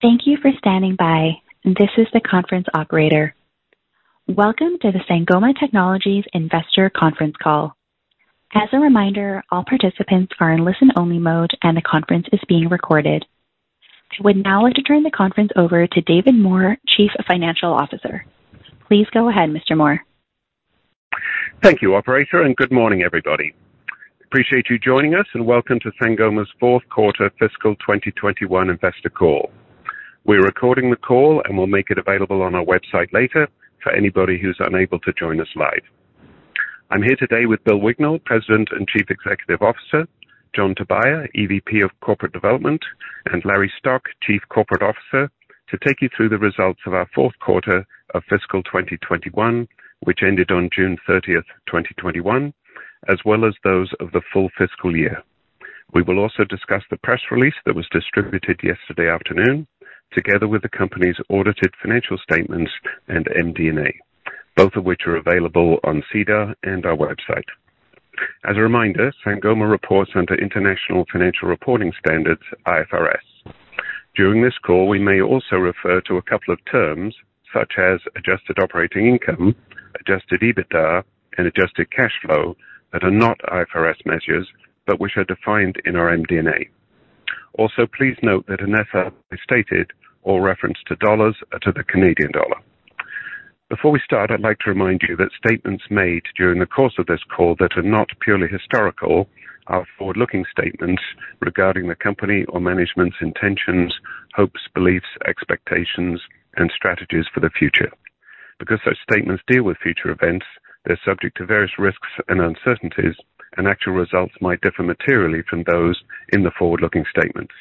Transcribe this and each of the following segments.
Thank you for standing by. This is the conference operator. Welcome to the Sangoma Technologies Investor Conference Call. As a reminder, all participants are in listen-only mode, and the conference is being recorded. I would now like to turn the conference over to David Moore, Chief Financial Officer. Please go ahead, Mr. Moore. Thank you, operator. Good morning, everybody. Appreciate you joining us, and welcome to Sangoma's Fourth Quarter Fiscal 2021 Investor Call. We're recording the call, and we'll make it available on our website later for anybody who's unable to join us live. I'm here today with Bill Wignall, President and Chief Executive Officer, John Tobia, EVP of Corporate Development, and Larry Stock, Chief Corporate Officer, to take you through the results of our fourth quarter of fiscal 2021, which ended on June 30th, 2021, as well as those of the full fiscal year. We will also discuss the press release that was distributed yesterday afternoon, together with the company's audited financial statements and MD&A, both of which are available on SEDAR and our website. As a reminder, Sangoma reports under International Financial Reporting Standards, IFRS. During this call, we may also refer to a couple of terms such as adjusted operating income, adjusted EBITDA, and adjusted cash flow that are not IFRS measures, but which are defined in our MD&A. Please note that unless stated, all reference to dollars are to the Canadian dollar. Before we start, I'd like to remind you that statements made during the course of this call that are not purely historical are forward-looking statements regarding the company or management's intentions, hopes, beliefs, expectations, and strategies for the future. Because such statements deal with future events, they're subject to various risks and uncertainties, and actual results might differ materially from those in the forward-looking statements.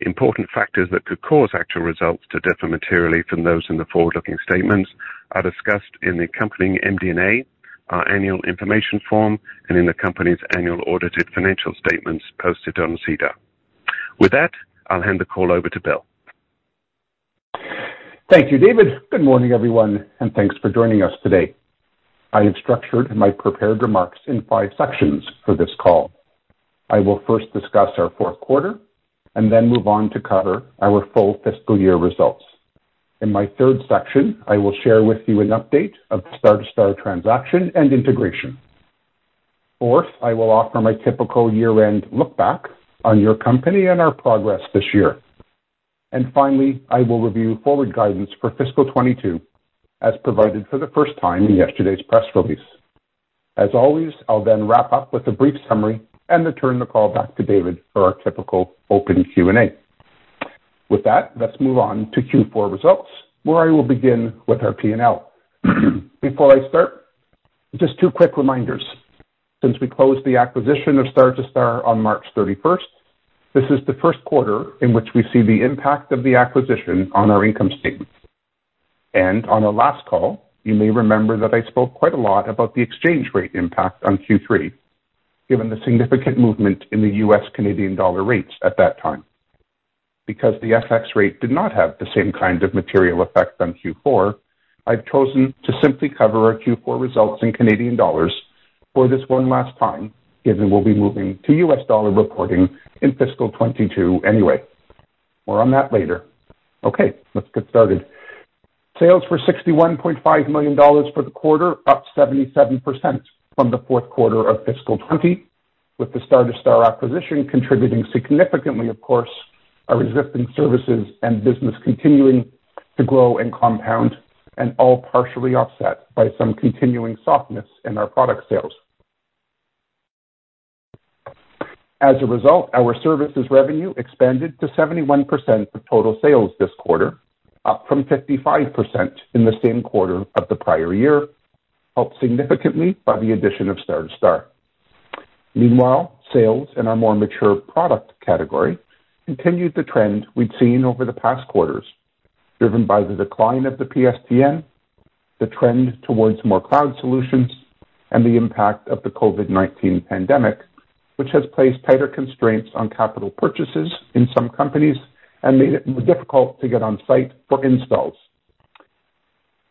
Important factors that could cause actual results to differ materially from those in the forward-looking statements are discussed in the accompanying MD&A, our annual information form, and in the company's annual audited financial statements posted on SEDAR. With that, I'll hand the call over to Bill. Thank you, David. Good morning, everyone, and thanks for joining us today. I have structured my prepared remarks in five sections for this call. I will first discuss our fourth quarter and then move on to cover our full fiscal year results. In my third section, I will share with you an update of the Star2Star transaction and integration. fourth, I will offer my typical year-end look back on your company and our progress this year. Finally, I will review forward guidance for fiscal 2022 as provided for the first time in yesterday's press release. As always, I'll then wrap up with a brief summary and then turn the call back to David for our typical open Q&A. With that, let's move on to Q4 results, where I will begin with our P&L. Before I start, just two quick reminders. Since we closed the acquisition of Star2Star on March 31st, this is the first quarter in which we see the impact of the acquisition on our income statement. On our last call, you may remember that I spoke quite a lot about the exchange rate impact on Q3, given the significant movement in the U.S.-Canadian dollar rates at that time. Because the FX rate did not have the same kind of material effect on Q4, I've chosen to simply cover our Q4 results in Canadian dollars for this one last time, given we'll be moving to U.S. dollar reporting in fiscal 2022 anyway. More on that later. Okay, let's get started. Sales were 61.5 million dollars for the quarter, up 77% from the fourth quarter of fiscal 2020, with the Star2Star acquisition contributing significantly, of course, our existing services and business continuing to grow and compound, and all partially offset by some continuing softness in our product sales. As a result, our services revenue expanded to 71% of total sales this quarter, up from 55% in the same quarter of the prior year, helped significantly by the addition of Star2Star. Meanwhile, sales in our more mature product category continued the trend we'd seen over the past quarters, driven by the decline of the PSTN, the trend towards more cloud solutions, and the impact of the COVID-19 pandemic, which has placed tighter constraints on capital purchases in some companies and made it more difficult to get on-site for installs.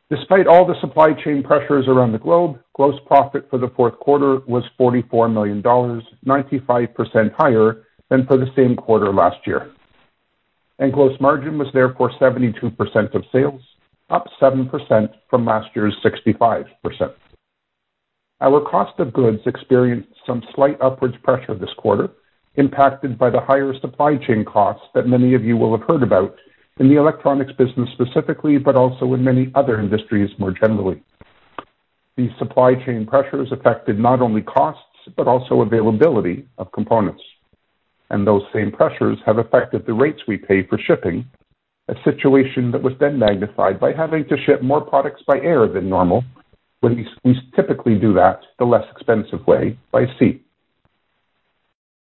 Despite all the supply chain pressures around the globe, gross profit for the fourth quarter was 44 million dollars, 95% higher than for the same quarter last year. Gross margin was therefore 72% of sales, up 7% from last year's 65%. Our cost of goods experienced some slight upwards pressure this quarter, impacted by the higher supply chain costs that many of you will have heard about in the electronics business specifically, but also in many other industries more generally. These supply chain pressures affected not only costs, but also availability of components. Those same pressures have affected the rates we pay for shipping, a situation that was then magnified by having to ship more products by air than normal, when we typically do that the less expensive way, by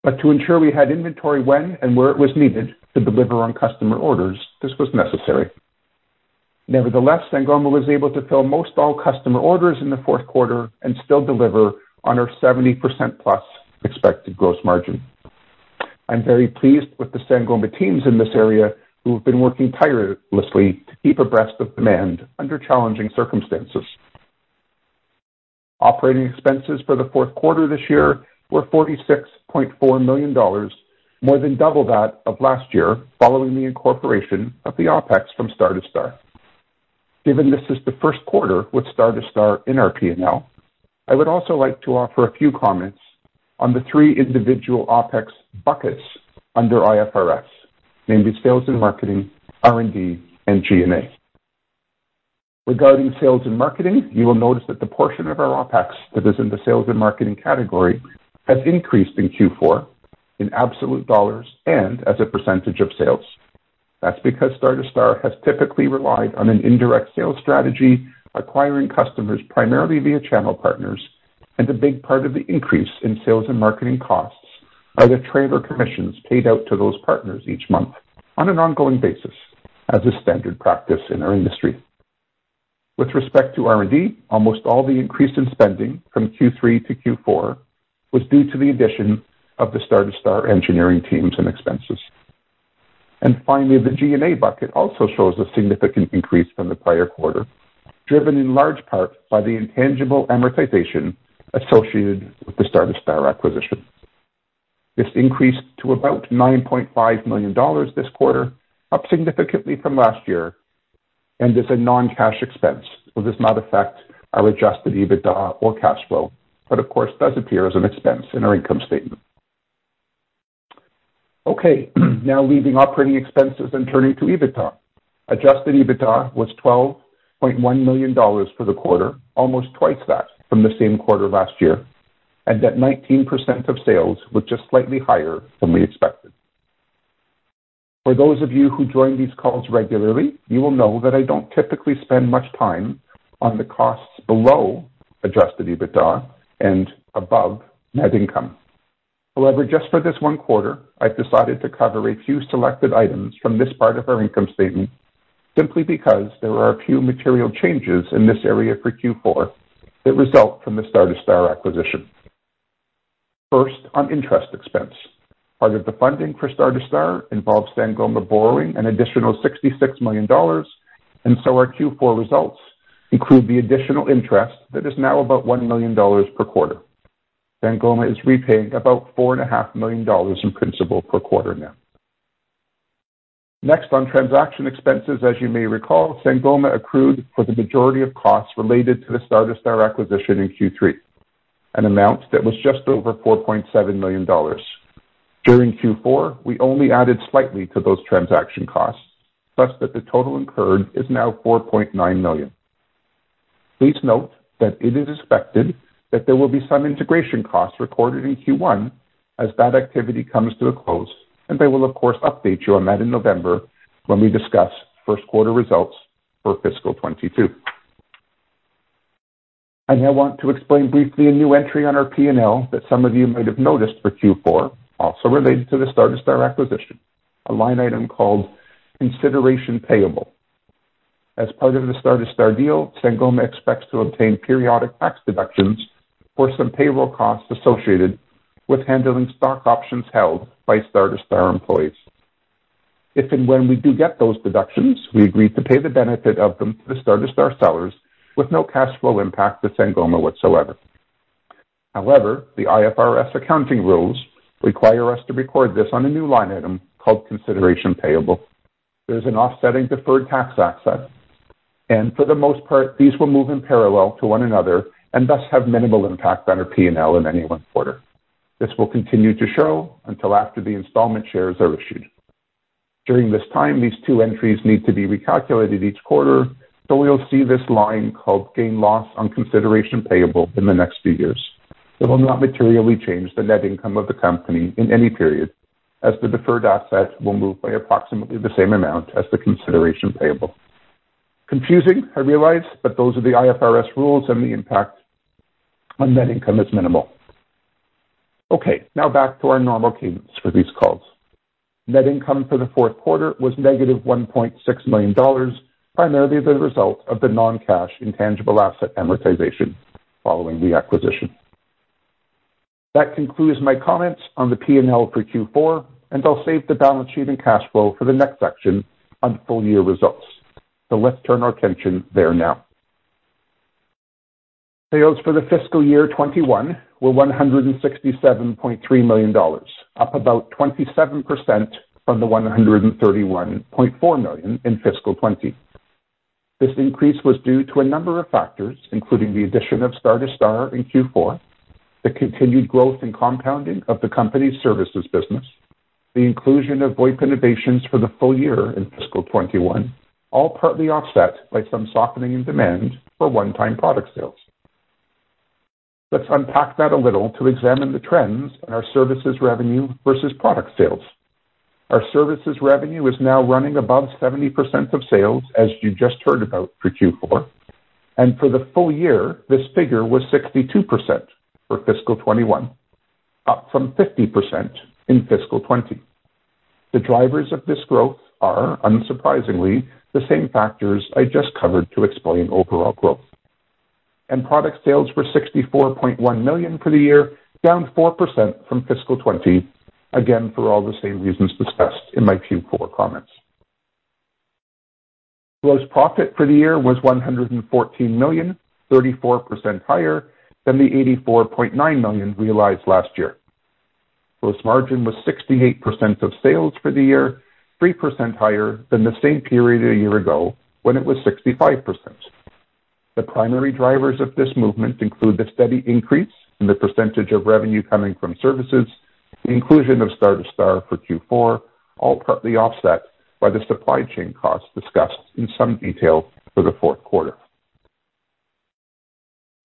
sea. To ensure we had inventory when and where it was needed to deliver on customer orders, this was necessary. Nevertheless, Sangoma was able to fill most all customer orders in the fourth quarter and still deliver on our 70%+ expected gross margin. I'm very pleased with the Sangoma teams in this area who have been working tirelessly to keep abreast of demand under challenging circumstances. Operating expenses for the fourth quarter this year were 46.4 million dollars, more than double that of last year following the incorporation of the OPEX from Star2Star. Given this is the first quarter with Star2Star in our P&L, I would also like to offer a few comments on the three individual OPEX buckets under IFRS, namely sales and marketing, R&D, and G&A. Regarding sales and marketing, you will notice that the portion of our OPEX that is in the sales and marketing category has increased in Q4 in absolute dollars and as a percentage of sales. That's because Star2Star has typically relied on an indirect sales strategy, acquiring customers primarily via channel partners, and a big part of the increase in sales and marketing costs are the trailer commissions paid out to those partners each month on an ongoing basis as a standard practice in our industry. With respect to R&D, almost all the increase in spending from Q3 to Q4 was due to the addition of the Star2Star engineering teams and expenses. Finally, the G&A bucket also shows a significant increase from the prior quarter, driven in large part by the intangible amortization associated with the Star2Star acquisition. This increased to about 9.5 million dollars this quarter, up significantly from last year, and is a non-cash expense, so does not affect our adjusted EBITDA or cash flow, but of course, does appear as an expense in our income statement. Okay, now leaving operating expenses and turning to EBITDA. Adjusted EBITDA was 12.1 million dollars for the quarter, almost twice that from the same quarter last year, and at 19% of sales was just slightly higher than we expected. For those of you who join these calls regularly, you will know that I don't typically spend much time on the costs below adjusted EBITDA and above net income. However, just for this one quarter, I've decided to cover a few selected items from this part of our income statement simply because there are a few material changes in this area for Q4 that result from the Star2Star acquisition. First, on interest expense. Part of the funding for Star2Star involves Sangoma borrowing an additional 66 million dollars, our Q4 results include the additional interest that is now about 1 million dollars per quarter. Sangoma is repaying about 4.5 million dollars in principal per quarter now. Next, on transaction expenses, as you may recall, Sangoma accrued for the majority of costs related to the Star2Star acquisition in Q3, an amount that was just over 4.7 million dollars. During Q4, we only added slightly to those transaction costs, such that the total incurred is now 4.9 million. Please note that it is expected that there will be some integration costs recorded in Q1 as that activity comes to a close, I will, of course, update you on that in November when we discuss first quarter results for fiscal 2022. I now want to explain briefly a new entry on our P&L that some of you might have noticed for Q4, also related to the Star2Star acquisition, a line item called consideration payable. As part of the Star2Star deal, Sangoma expects to obtain periodic tax deductions for some payroll costs associated with handling stock options held by Star2Star employees. If and when we do get those deductions, we agree to pay the benefit of them to the Star2Star sellers with no cash flow impact to Sangoma whatsoever. The IFRS accounting rules require us to record this on a new line item called consideration payable. There's an offsetting deferred tax asset, for the most part, these will move in parallel to one another and thus have minimal impact on our P&L in any one quarter. This will continue to show until after the installment shares are issued. During this time, these two entries need to be recalculated each quarter, so we'll see this line called gain/loss on consideration payable in the next few years. It will not materially change the net income of the company in any period as the deferred asset will move by approximately the same amount as the consideration payable. Confusing, I realize, but those are the IFRS rules, and the impact on net income is minimal. Okay, now back to our normal cadence for these calls. Net income for the fourth quarter was negative 1.6 million dollars, primarily as a result of the non-cash intangible asset amortization following the acquisition. That concludes my comments on the P&L for Q4, and I'll save the balance sheet and cash flow for the next section on full year results. Let's turn our attention there now. Sales for the fiscal year 2021 were 167.3 million dollars, up about 27% from the 131.4 million in fiscal 2020. This increase was due to a number of factors, including the addition of Star2Star in Q4, the continued growth and compounding of the company's services business, the inclusion of VoIP Innovations for the full year in fiscal 2021, all partly offset by some softening in demand for one-time product sales. Let's unpack that a little to examine the trends in our services revenue versus product sales. Our services revenue is now running above 70% of sales, as you just heard about for Q4. For the full year, this figure was 62% for fiscal 2021, up from 50% in fiscal 2020. The drivers of this growth are, unsurprisingly, the same factors I just covered to explain overall growth. Product sales were 64.1 million for the year, down 4% from fiscal 2020, again, for all the same reasons discussed in my Q4 comments. Gross profit for the year was 114 million, 34% higher than the 84.9 million realized last year. Gross margin was 68% of sales for the year, 3% higher than the same period a year ago, when it was 65%. The primary drivers of this movement include the steady increase in the percentage of revenue coming from services, the inclusion of Star2Star for Q4, partly offset by the supply chain costs discussed in some detail for the fourth quarter.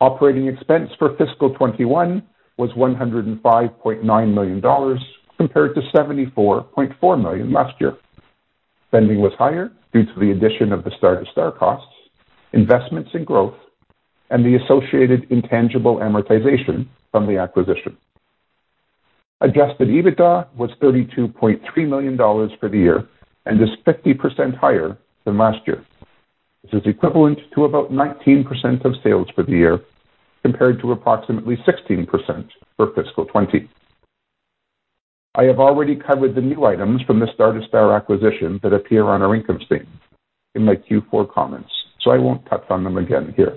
Operating expense for fiscal 2021 was 105.9 million dollars, compared to 74.4 million last year. Spending was higher due to the addition of the Star2Star costs, investments in growth, and the associated intangible amortization from the acquisition. Adjusted EBITDA was 32.9 million dollars for the year and is 50% higher than last year. This is equivalent to about 19% of sales for the year, compared to approximately 16% for fiscal 2020. I have already covered the new items from the Star2Star acquisition that appear on our income statement in my Q4 comments, so I won't touch on them again here.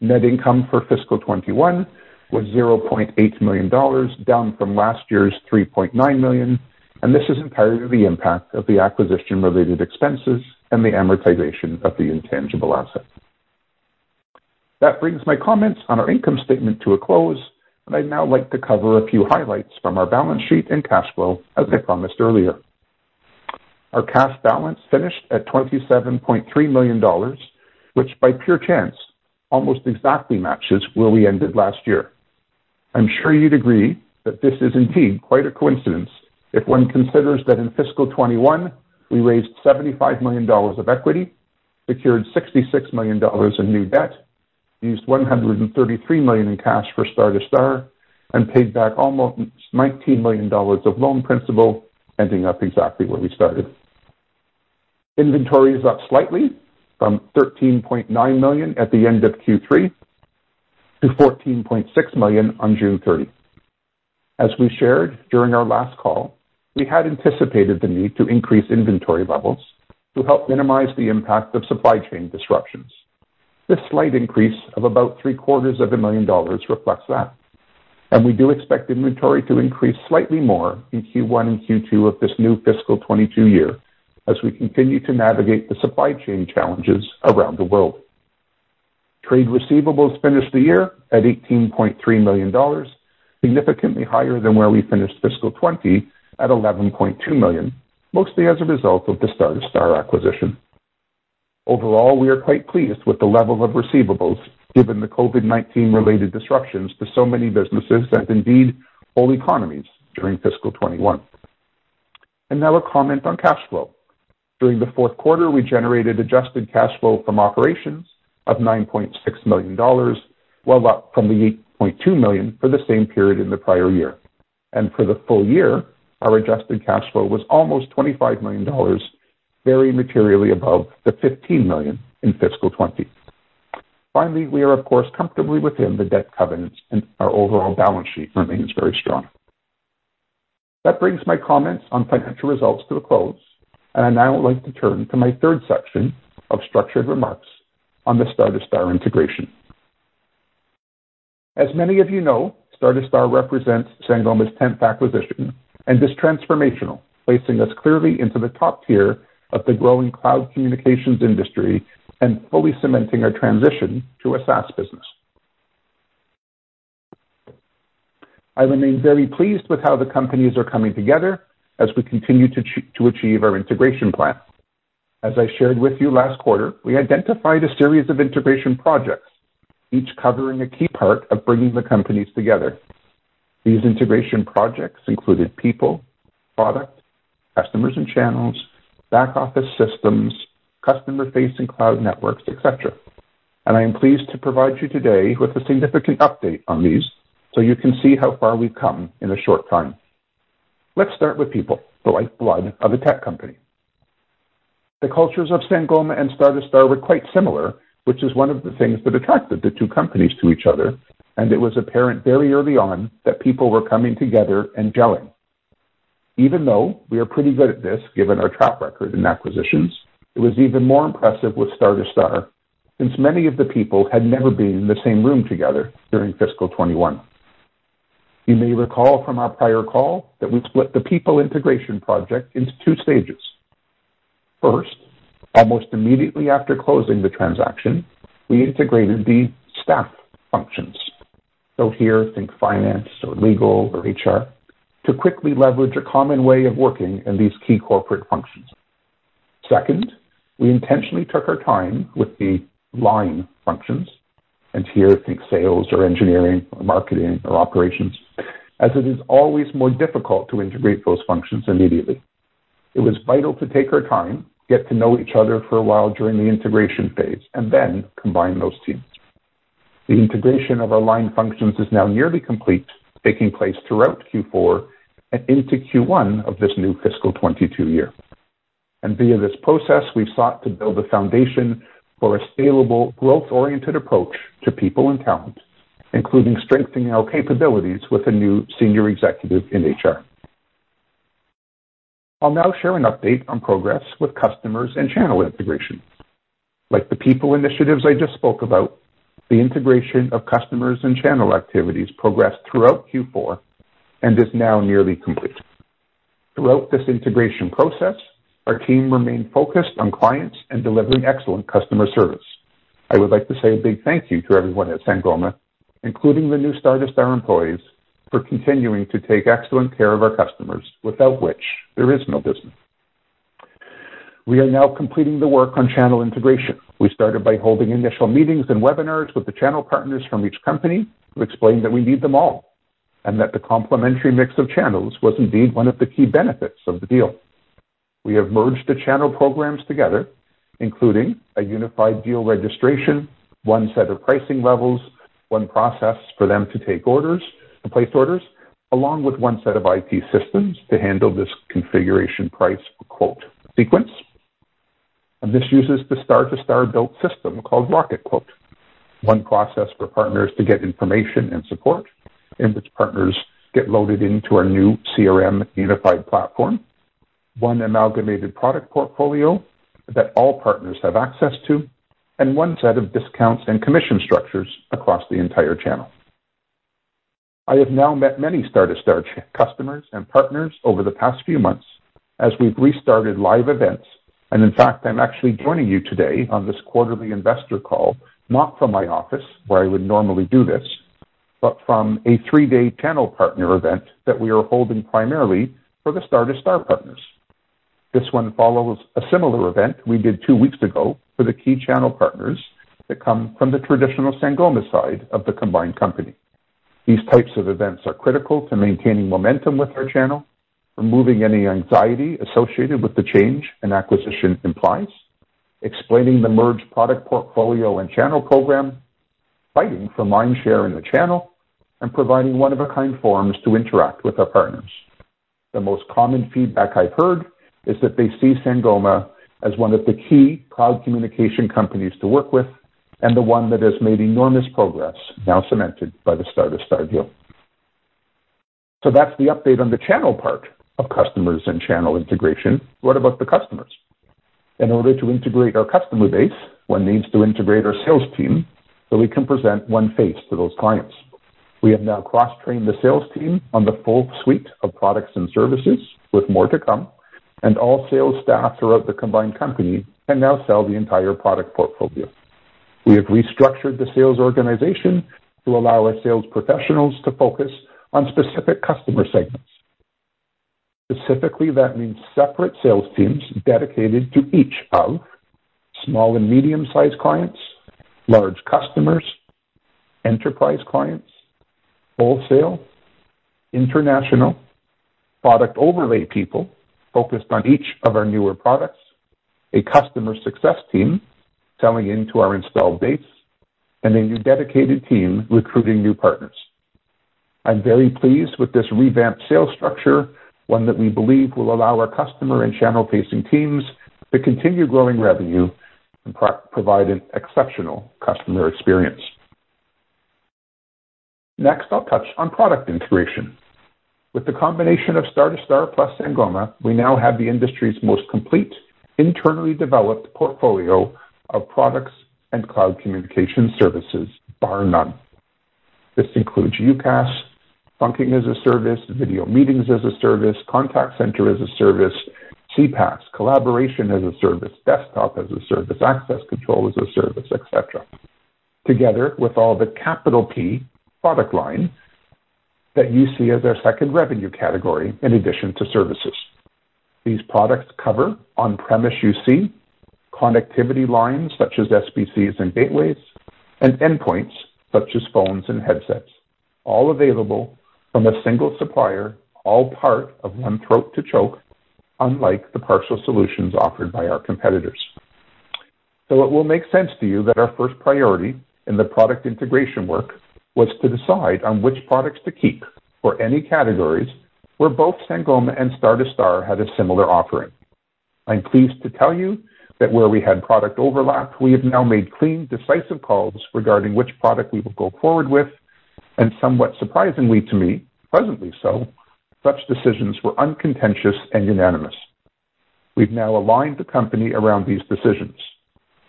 Net income for fiscal 2021 was 0.8 million dollars, down from last year's 3.9 million, and this is entirely the impact of the acquisition-related expenses and the amortization of the intangible asset. That brings my comments on our income statement to a close, and I'd now like to cover a few highlights from our balance sheet and cash flow, as I promised earlier. Our cash balance finished at 27.3 million dollars, which by pure chance almost exactly matches where we ended last year. I'm sure you'd agree that this is indeed quite a coincidence if one considers that in fiscal 2021 we raised 75 million dollars of equity, secured 66 million dollars in new debt, used 133 million in cash for Star2Star, and paid back almost 19 million dollars of loan principal, ending up exactly where we started. Inventory is up slightly from 13.9 million at the end of Q3 to 14.6 million on June 30th. As we shared during our last call, we had anticipated the need to increase inventory levels to help minimize the impact of supply chain disruptions. This slight increase of about three-quarters of a million dollars reflects that. We do expect inventory to increase slightly more in Q1 and Q2 of this new fiscal 2022 year as we continue to navigate the supply chain challenges around the world. Trade receivables finished the year at 18.3 million dollars, significantly higher than where we finished fiscal 2020 at 11.2 million, mostly as a result of the Star2Star acquisition. Overall, we are quite pleased with the level of receivables given the COVID-19-related disruptions to so many businesses and indeed whole economies during fiscal 2021. Now a comment on cash flow. During the fourth quarter, we generated adjusted cash flow from operations of 9.6 million dollars, well up from the 8.2 million for the same period in the prior year. For the full year, our adjusted cash flow was almost 25 million dollars, very materially above the 15 million in fiscal 2020. Finally, we are of course comfortably within the debt covenants and our overall balance sheet remains very strong. That brings my comments on financial results to a close, and I'd now like to turn to my third section of structured remarks on the Star2Star integration. As many of you know, Star2Star represents Sangoma's 10th acquisition and is transformational, placing us clearly into the top tier of the growing cloud communications industry and fully cementing our transition to a SaaS business. I remain very pleased with how the companies are coming together as we continue to achieve our integration plan. As I shared with you last quarter, we identified a series of integration projects, each covering a key part of bringing the companies together. These integration projects included people, product, customers and channels, back-office systems, customer-facing cloud networks, et cetera. I am pleased to provide you today with a significant update on these so you can see how far we've come in a short time. Let's start with people, the lifeblood of a tech company. The cultures of Sangoma and Star2Star were quite similar, which is one of the things that attracted the two companies to each other, and it was apparent very early on that people were coming together and gelling. Even though we are pretty good at this, given our track record in acquisitions, it was even more impressive with Star2Star since many of the people had never been in the same room together during fiscal 2021. You may recall from our prior call that we'd split the people integration project into two stages. First, almost immediately after closing the transaction, we integrated the staff functions. Here, think finance or legal or HR, to quickly leverage a common way of working in these key corporate functions. Second, we intentionally took our time with the line functions, and here think sales or engineering or marketing or operations, as it is always more difficult to integrate those functions immediately. It was vital to take our time, get to know each other for a while during the integration phase, and then combine those teams. The integration of our line functions is now nearly complete, taking place throughout Q4 and into Q1 of this new fiscal 2022 year. Via this process, we've sought to build a foundation for a scalable, growth-oriented approach to people and talent, including strengthening our capabilities with a new senior executive in HR. I'll now share an update on progress with customers and channel integration. Like the people initiatives I just spoke about, the integration of customers and channel activities progressed throughout Q4 and is now nearly complete. Throughout this integration process, our team remained focused on clients and delivering excellent customer service. I would like to say a big thank you to everyone at Sangoma Technologies, including the new Star2Star employees, for continuing to take excellent care of our customers, without which there is no business. We are now completing the work on channel integration. We started by holding initial meetings and webinars with the channel partners from each company to explain that we need them all, that the complementary mix of channels was indeed one of the key benefits of the deal. We have merged the channel programs together, including a unified deal registration, one set of pricing levels, one process for them to take orders and place orders, along with one set of IT systems to handle this configuration price quote sequence. This uses the Star2Star built system called Rocket Quote. One process for partners to get information and support, in which partners get loaded into our new CRM unified platform. One amalgamated product portfolio that all partners have access to, and one set of discounts and commission structures across the entire channel. I have now met many Star2Star customers and partners over the past few months as we've restarted live events. In fact, I'm actually joining you today on this quarterly investor call, not from my office where I would normally do this, but from a three-day channel partner event that we are holding primarily for the Star2Star partners. This 1 follows a similar event we did two weeks ago for the key channel partners that come from the traditional Sangoma side of the combined company. These types of events are critical to maintaining momentum with our channel, removing any anxiety associated with the change an acquisition implies, explaining the merged product portfolio and channel program, fighting for mind share in the channel, and providing one-of-a-kind forums to interact with our partners. The most common feedback I've heard is that they see Sangoma as one of the key cloud communication companies to work with, and the one that has made enormous progress now cemented by the Star2Star deal. That's the update on the channel part of customers and channel integration. What about the customers? In order to integrate our customer base, one needs to integrate our sales team so we can present one face to those clients. We have now cross-trained the sales team on the full suite of products and services, with more to come, and all sales staff throughout the combined company can now sell the entire product portfolio. We have restructured the sales organization to allow our sales professionals to focus on specific customer segments. Specifically, that means separate sales teams dedicated to each of small and medium-sized clients, large customers, enterprise clients, wholesale, international, product overlay people focused on each of our newer products, a customer success team selling into our installed base, and a new dedicated team recruiting new partners. I'm very pleased with this revamped sales structure, one that we believe will allow our customer and channel-facing teams to continue growing revenue and provide an exceptional customer experience. Next, I'll touch on product integration. With the combination of Star2Star plus Sangoma, we now have the industry's most complete internally developed portfolio of products and cloud communication services, bar none. This includes UCaaS, Trunking as a Service, video meetings as a service, Contact Center as a Service, CPaaS, Collaboration as a Service, Desktop as a Service, Access Control as a Service, et cetera, together with all the capital P product line that you see as our second revenue category in addition to services. These products cover on-premise UC, connectivity lines such as SBCs and gateways, and endpoints such as phones and headsets, all available from a single supplier, all part of one throat to choke, unlike the partial solutions offered by our competitors. It will make sense to you that our first priority in the product integration work was to decide on which products to keep for any categories where both Sangoma and Star2Star had a similar offering. I'm pleased to tell you that where we had product overlap, we have now made clean, decisive calls regarding which product we will go forward with, and somewhat surprisingly to me, pleasantly so, such decisions were uncontentious and unanimous. We've now aligned the company around these decisions.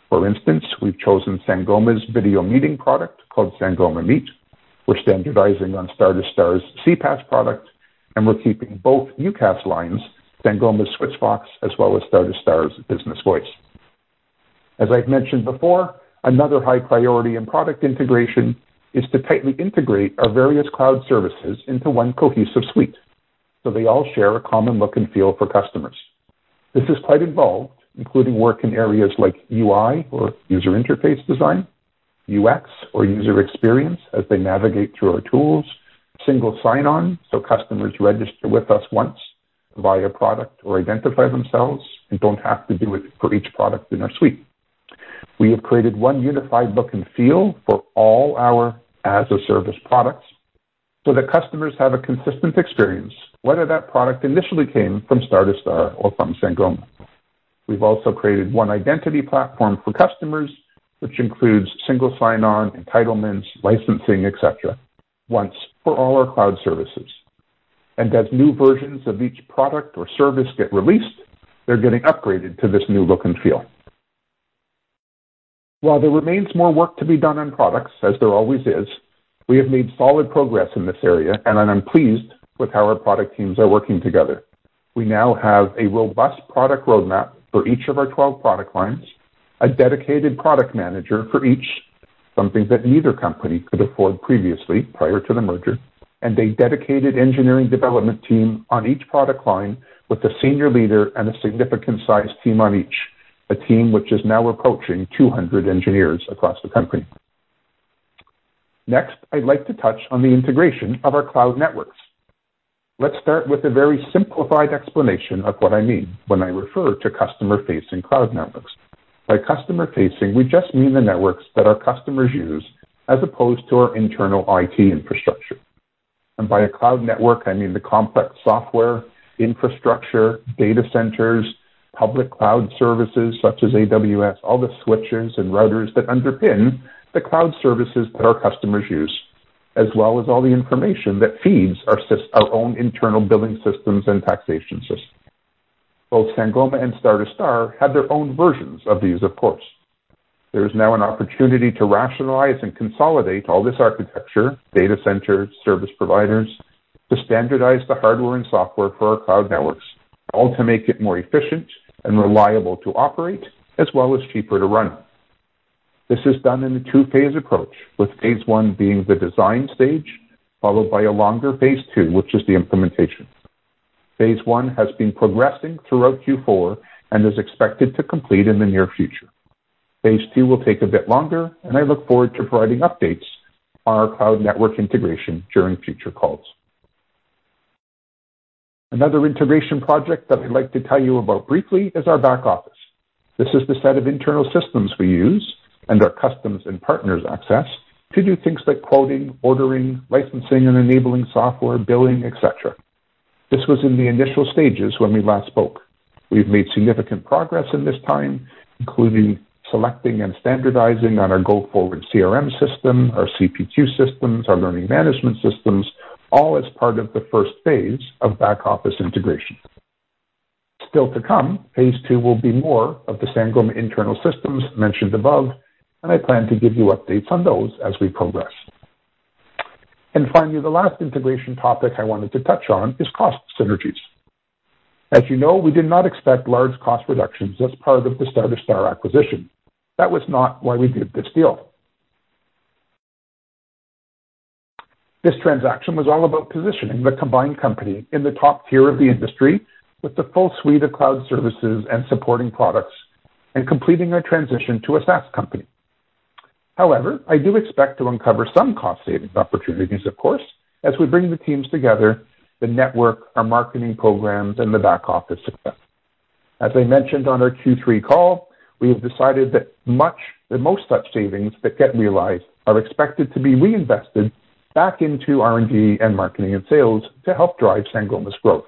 For instance, we've chosen Sangoma's video meeting product called Sangoma Meet. We're standardizing on Star2Star's CPaaS product, and we're keeping both UCaaS lines, Sangoma Switchvox, as well as Star2Star's Business Voice. As I've mentioned before, another high priority in product integration is to tightly integrate our various cloud services into one cohesive suite so they all share a common look and feel for customers. This is quite involved, including work in areas like UI or user interface design, UX or user experience as they navigate through our tools, single sign-on so customers register with us once via product or identify themselves and don't have to do it for each product in our suite. We have created one unified look and feel for all our as a service products so that customers have a consistent experience, whether that product initially came from Star2Star or from Sangoma. We've also created one identity platform for customers, which includes single sign-on, entitlements, licensing, et cetera, once for all our cloud services. As new versions of each product or service get released, they're getting upgraded to this new look and feel. While there remains more work to be done on products, as there always is, we have made solid progress in this area, and I'm pleased with how our product teams are working together. We now have a robust product roadmap for each of our 12 product lines, a dedicated product manager for each, something that neither company could afford previously prior to the merger, and a dedicated engineering development team on each product line with a senior leader and a significant size team on each, a team which is now approaching 200 engineers across the country. Next, I'd like to touch on the integration of our cloud networks. Let's start with a very simplified explanation of what I mean when I refer to customer-facing cloud networks. By customer-facing, we just mean the networks that our customers use as opposed to our internal IT infrastructure. By a cloud network, I mean the complex software, infrastructure, data centers, public cloud services such as AWS, all the switches and routers that underpin the cloud services that our customers use, as well as all the information that feeds our own internal billing systems and taxation systems. Both Sangoma and Star2Star had their own versions of these, of course. There is now an opportunity to rationalize and consolidate all this architecture, data centers, service providers, to standardize the hardware and software for our cloud networks, all to make it more efficient and reliable to operate, as well as cheaper to run. This is done in a two-phase approach, with phase I being the design stage, followed by a longer phase II, which is the implementation. Phase I has been progressing throughout Q4 and is expected to complete in the near future. Phase II will take a bit longer, and I look forward to providing updates on our cloud network integration during future calls. Another integration project that I'd like to tell you about briefly is our back office. This is the set of internal systems we use and our customers and partners access to do things like quoting, ordering, licensing, and enabling software, billing, et cetera. This was in the initial stages when we last spoke. We've made significant progress in this time, including selecting and standardizing on our go-forward CRM system, our CPQ systems, our learning management systems, all as part of the first phase of back office integration. Still to come, phase II will be more of the Sangoma internal systems mentioned above, and I plan to give you updates on those as we progress. Finally, the last integration topic I wanted to touch on is cost synergies. As you know, we did not expect large cost reductions as part of the Star2Star acquisition. That was not why we did this deal. This transaction was all about positioning the combined company in the top tier of the industry with the full suite of cloud services and supporting products, and completing our transition to a SaaS company. However, I do expect to uncover some cost-saving opportunities, of course, as we bring the teams together, the network, our marketing programs, and the back office success. As I mentioned on our Q3 call, we have decided that most such savings that get realized are expected to be reinvested back into R&D and marketing and sales to help drive Sangoma's growth.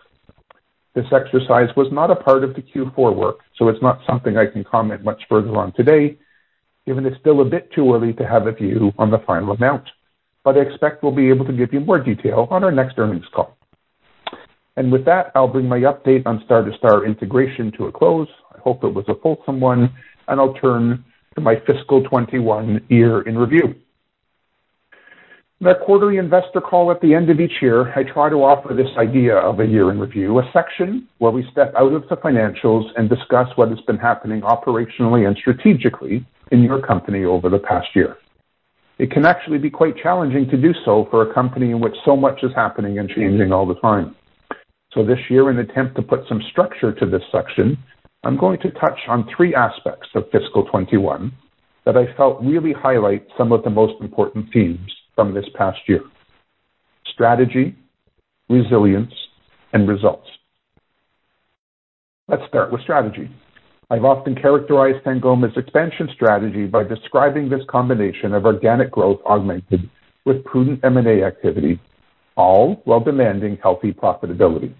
This exercise was not a part of the Q4 work, so it's not something I can comment much further on today, given it's still a bit too early to have a view on the final amount. I expect we'll be able to give you more detail on our next earnings call. With that, I'll bring my update on Star2Star integration to a close. I hope it was a fulsome one, and I'll turn to my fiscal 2021 year in review. In our quarterly investor call at the end of each year, I try to offer this idea of a year in review, a section where we step out of the financials and discuss what has been happening operationally and strategically in your company over the past year. It can actually be quite challenging to do so for a company in which so much is happening and changing all the time. This year, in an attempt to put some structure to this section, I'm going to touch on three aspects of fiscal 2021 that I felt really highlight some of the most important themes from this past year: strategy, resilience, and results. Let's start with strategy. I've often characterized Sangoma's expansion strategy by describing this combination of organic growth augmented with prudent M&A activity, all while demanding healthy profitability.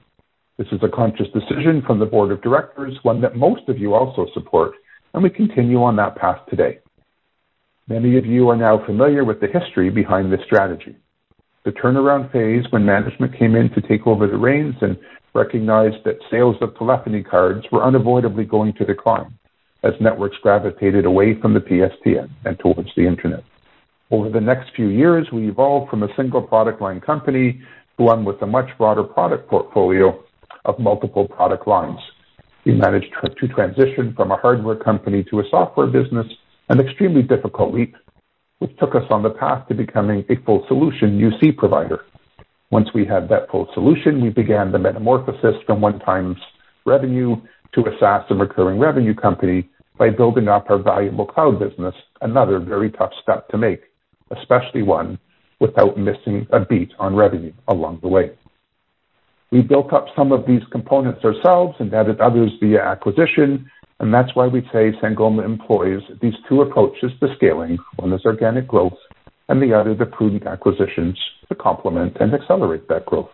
This is a conscious decision from the board of directors, one that most of you also support, and we continue on that path today. Many of you are now familiar with the history behind this strategy. The turnaround phase, when management came in to take over the reins and recognized that sales of telephony cards were unavoidably going to decline as networks gravitated away from the PSTN and towards the internet. Over the next few years, we evolved from a single-product line company to one with a much broader product portfolio of multiple product lines. We managed to transition from a hardware company to a software business, an extremely difficult leap, which took us on the path to becoming a full solution UC provider. Once we had that full solution, we began the metamorphosis from one time's revenue to a SaaS and recurring revenue company by building up our valuable cloud business, another very tough step to make, especially one without missing a beat on revenue along the way. We built up some of these components ourselves and added others via acquisition, and that's why we say Sangoma employs these two approaches to scaling. One is organic growth, and the other, the prudent acquisitions to complement and accelerate that growth.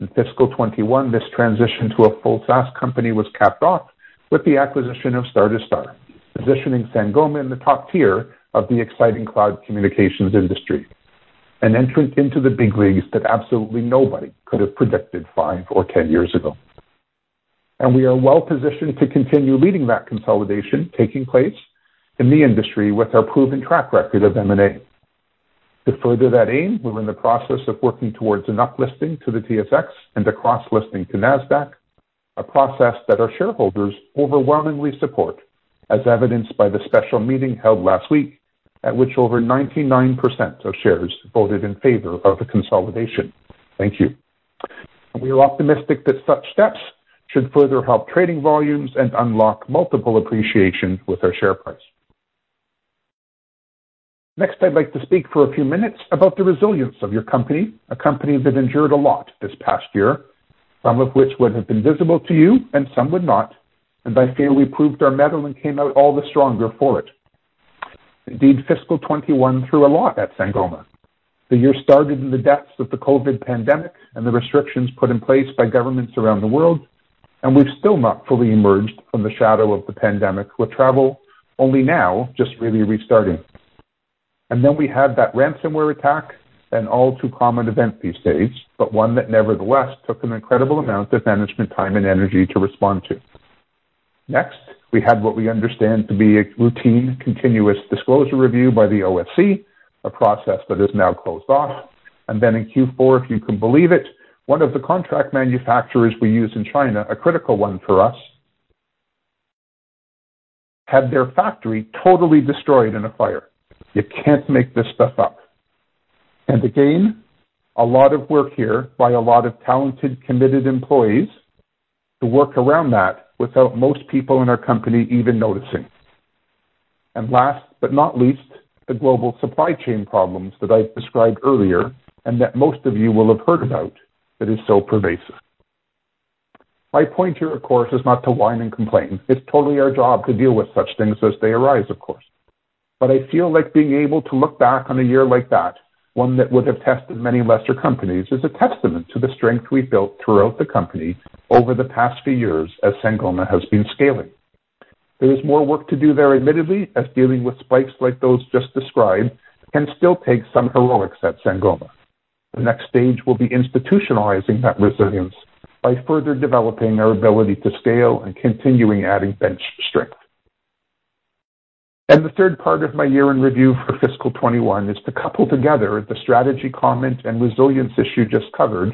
In fiscal 2021, this transition to a full SaaS company was capped off with the acquisition of Star2Star, positioning Sangoma in the top tier of the exciting cloud communications industry. An entrance into the big leagues that absolutely nobody could have predicted five or 10 years ago. We are well-positioned to continue leading that consolidation taking place in the industry with our proven track record of M&A. To further that aim, we're in the process of working towards an up-listing to the TSX and a cross-listing to Nasdaq, a process that our shareholders overwhelmingly support, as evidenced by the special meeting held last week, at which over 99% of shares voted in favor of the consolidation. Thank you. We are optimistic that such steps should further help trading volumes and unlock multiple appreciation with our share price. I'd like to speak for a few minutes about the resilience of your company, a company that endured a lot this past year, some of which would have been visible to you and some would not, and I feel we proved our mettle and came out all the stronger for it. Fiscal 2021 threw a lot at Sangoma. The year started in the depths of the COVID pandemic and the restrictions put in place by governments around the world, and we've still not fully emerged from the shadow of the pandemic, with travel only now just really restarting. We had that ransomware attack, an all too common event these days, but one that nevertheless took an incredible amount of management time and energy to respond to. Next, we had what we understand to be a routine continuous disclosure review by the OSC, a process that is now closed off. In Q4, if you can believe it, one of the contract manufacturers we use in China, a critical one for us, had their factory totally destroyed in a fire. You can't make this stuff up. Again, a lot of work here by a lot of talented, committed employees to work around that without most people in our company even noticing. Last but not least, the global supply chain problems that I described earlier and that most of you will have heard about that is so pervasive. My point here, of course, is not to whine and complain. It's totally our job to deal with such things as they arise, of course. I feel like being able to look back on a year like that, one that would have tested many lesser companies, is a testament to the strength we've built throughout the company over the past few years as Sangoma has been scaling. There is more work to do there admittedly, as dealing with spikes like those just described can still take some heroics at Sangoma. The next stage will be institutionalizing that resilience by further developing our ability to scale and continuing adding bench strength. The third part of my year-end review for fiscal 2021 is to couple together the strategy comment and resilience issue just covered,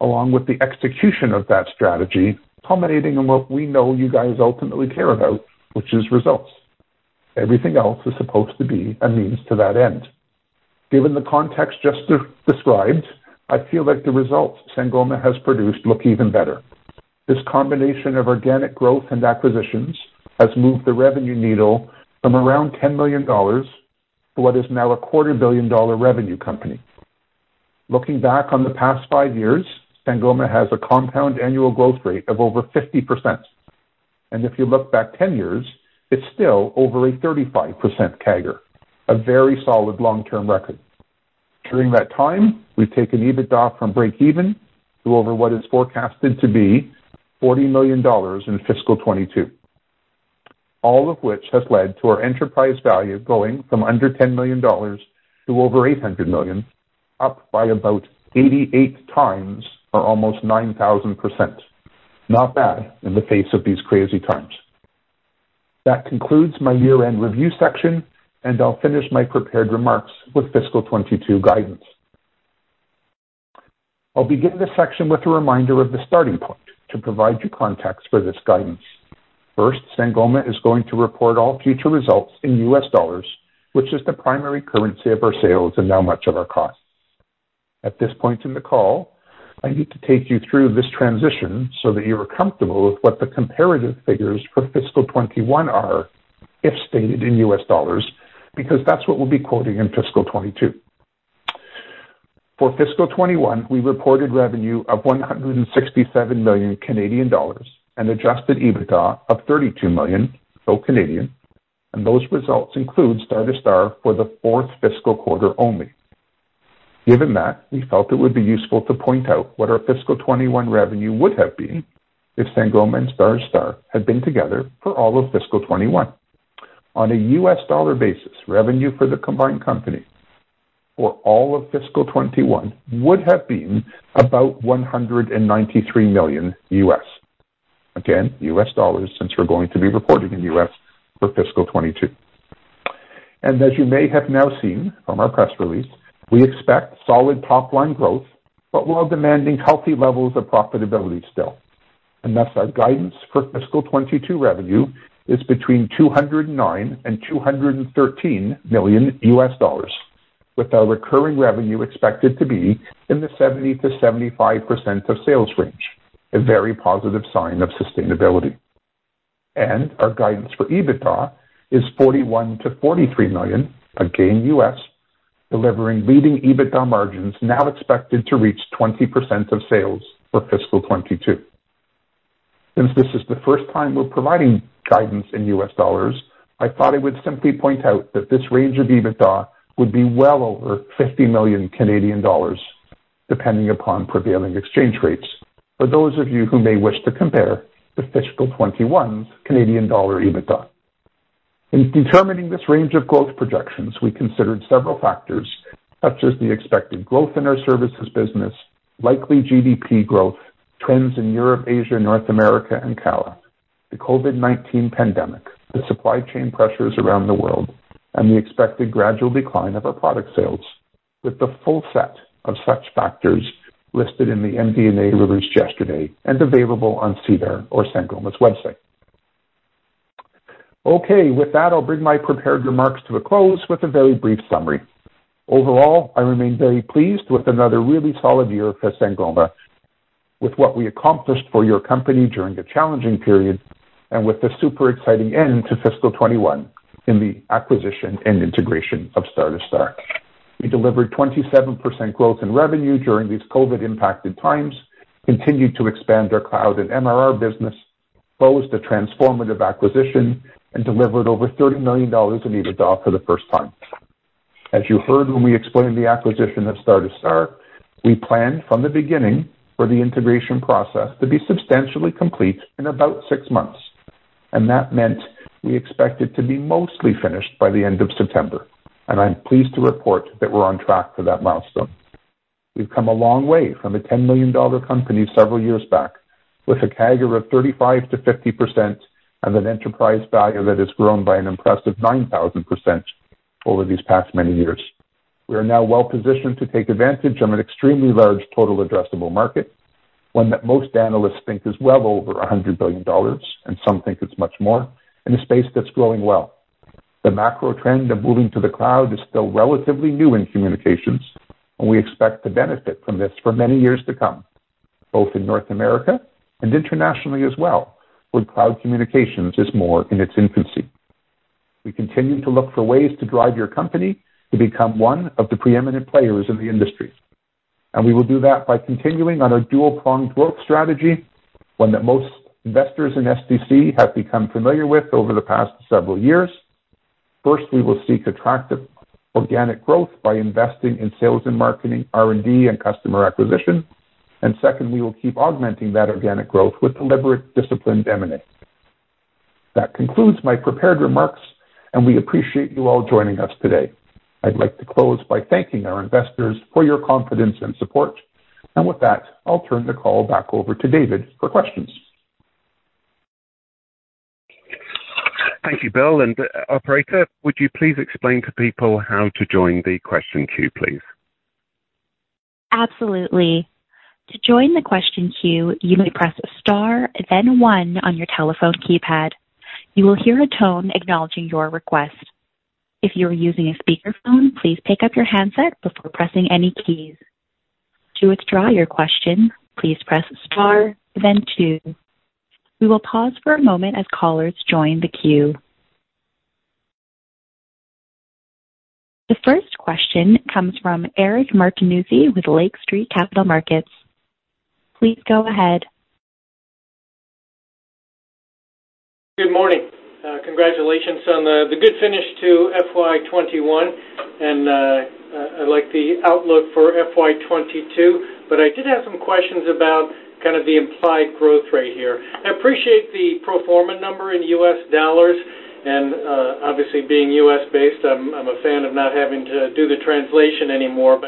along with the execution of that strategy, culminating in what we know you guys ultimately care about, which is results. Everything else is supposed to be a means to that end. Given the context just described, I feel like the results Sangoma has produced look even better. This combination of organic growth and acquisitions has moved the revenue needle from around 10 million dollars to what is now a quarter-billion-dollar revenue company. Looking back on the past five years, Sangoma has a compound annual growth rate of over 50%. If you look back 10 years, it is still over a 35% CAGR, a very solid long-term record. During that time, we've taken EBITDA from breakeven to over what is forecasted to be $40 million in fiscal 2022. All of which has led to our enterprise value going from under $10 million to over $800 million, up by about 88x or almost 9,000%. Not bad in the face of these crazy times. That concludes my year-end review section, and I'll finish my prepared remarks with fiscal 2022 guidance. I'll begin this section with a reminder of the starting point to provide you context for this guidance. First, Sangoma is going to report all future results in U.S. dollars, which is the primary currency of our sales and now much of our costs. At this point in the call, I need to take you through this transition so that you are comfortable with what the comparative figures for fiscal 2021 are if stated in U.S. dollars, because that's what we'll be quoting in fiscal 2022. For fiscal 2021, we reported revenue of 167 million Canadian dollars and adjusted EBITDA of 32 million, all Canadian, and those results include Star2Star for the fourth fiscal quarter only. Given that, we felt it would be useful to point out what our fiscal 2021 revenue would have been if Sangoma and Star2Star had been together for all of fiscal 2021. On a U.S. dollar basis, revenue for the combined company for all of fiscal 2021 would have been about $193 million. Again, U.S. dollars, since we're going to be reporting in U.S. for fiscal 2022. As you may have now seen from our press release, we expect solid top-line growth, but while demanding healthy levels of profitability still. Thus our guidance for fiscal 2022 revenue is between $209 million and $213 million, with our recurring revenue expected to be in the 70%-75% of sales range, a very positive sign of sustainability. Our guidance for EBITDA is $41 million-$43 million, delivering leading EBITDA margins now expected to reach 20% of sales for fiscal 2022. Since this is the first time we're providing guidance in U.S. dollars, I thought I would simply point out that this range of EBITDA would be well over 50 million Canadian dollars depending upon prevailing exchange rates, for those of you who may wish to compare to fiscal 2021's Canadian dollar EBITDA. In determining this range of growth projections, we considered several factors such as the expected growth in our services business, likely GDP growth, trends in Europe, Asia, North America, and CALA, the COVID-19 pandemic, the supply chain pressures around the world, and the expected gradual decline of our product sales with the full set of such factors listed in the MD&A released yesterday and available on SEDAR or Sangoma's website. Okay. With that, I'll bring my prepared remarks to a close with a very brief summary. Overall, I remain very pleased with another really solid year for Sangoma, with what we accomplished for your company during a challenging period, and with the super exciting end to fiscal 2021 in the acquisition and integration of Star2Star. We delivered 27% growth in revenue during these COVID-impacted times, continued to expand our cloud and MRR business, closed a transformative acquisition, and delivered over 30 million dollars in EBITDA for the first time. As you heard when we explained the acquisition of Star2Star, we planned from the beginning for the integration process to be substantially complete in about six months, that meant we expect it to be mostly finished by the end of September. I'm pleased to report that we're on track for that milestone. We've come a long way from a 10 million dollar company several years back with a CAGR of 35%-50% and an enterprise value that has grown by an impressive 9,000% over these past many years. We are now well-positioned to take advantage of an extremely large total addressable market, one that most analysts think is well over 100 billion dollars, and some think it's much more, in a space that's growing well. We expect to benefit from this for many years to come, both in North America and internationally as well, where cloud communications is more in its infancy. We continue to look for ways to drive your company to become one of the preeminent players in the industry, We will do that by continuing on our dual-pronged growth strategy, one that most investors in STC have become familiar with over the past several years. First, we will seek attractive organic growth by investing in sales and marketing, R&D, and customer acquisition. Second, we will keep augmenting that organic growth with deliberate, disciplined M&A. That concludes my prepared remarks, and we appreciate you all joining us today. I'd like to close by thanking our investors for your confidence and support. With that, I'll turn the call back over to David for questions. Thank you, Bill. Operator, would you please explain to people how to join the question queue, please? Absolutely. To join the que you may press star then one on your telephone keypad, you will hear a tone acknowledging your request. If you are using a speaker phone please take up your handset before pressing any keys. To withdraw your question press star then two. We will pause for a moment as callers join the queue. The first question comes from Eric Martinuzzi with Lake Street Capital Markets. Please go ahead. Good morning. Congratulations on the good finish to FY 2021, I like the outlook for FY 2022. I did have some questions about kind of the implied growth rate here. I appreciate the pro forma number in US dollars. Obviously, being US-based, I'm a fan of not having to do the translation anymore.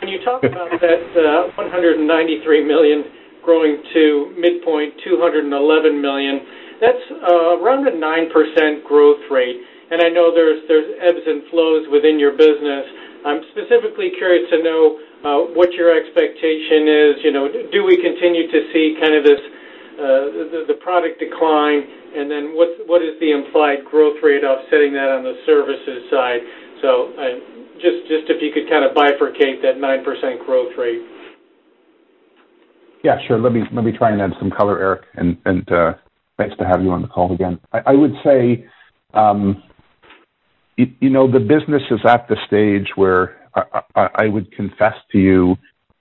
When you talk about that $193 million growing to midpoint $211 million, that's around a 9% growth rate. I know there's ebbs and flows within your business. I'm specifically curious to know what your expectation is. Do we continue to see kind of the product decline, what is the implied growth rate offsetting that on the services side? Just if you could kind of bifurcate that 9% growth rate. Yeah, sure. Let me try and add some color, Eric. Thanks to have you on the call again. I would say, the business is at the stage where I would confess to you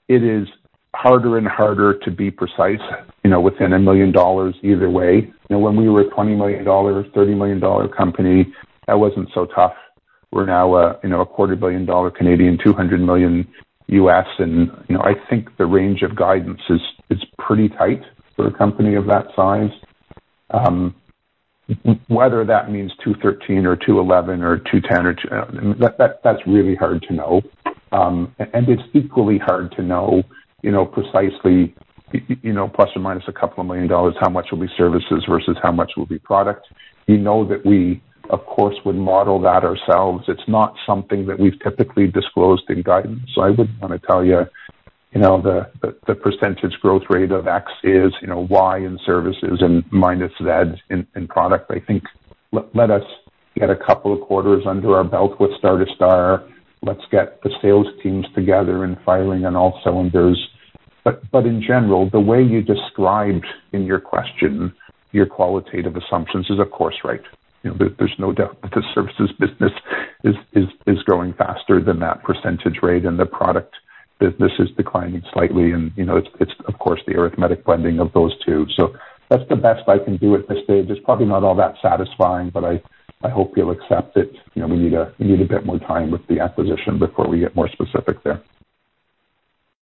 it is harder and harder to be precise within 1 million dollars either way. When we were a 20 million dollars, 30 million dollar company, that wasn't so tough. We're now a 250 million dollar Canadian, $200 million, I think the range of guidance is pretty tight for a company of that size. Whether that means 213 or 211 or 210, that's really hard to know. It's equally hard to know precisely, plus or minus a couple million, how much will be services versus how much will be product. You know that we, of course, would model that ourselves. It's not something that we've typically disclosed in guidance. I wouldn't want to tell you the % growth rate of X is Y in services and minus Z in product. I think let us get a couple of quarters under our belt with Star2Star. Let's get the sales teams together and firing on all cylinders. In general, the way you described in your question, your qualitative assumptions is, of course, right. There's no doubt that the services business is growing faster than that percentage rate, and the product business is declining slightly. It's, of course, the arithmetic blending of those two. That's the best I can do at this stage. It's probably not all that satisfying, but I hope you'll accept it. We need a bit more time with the acquisition before we get more specific there.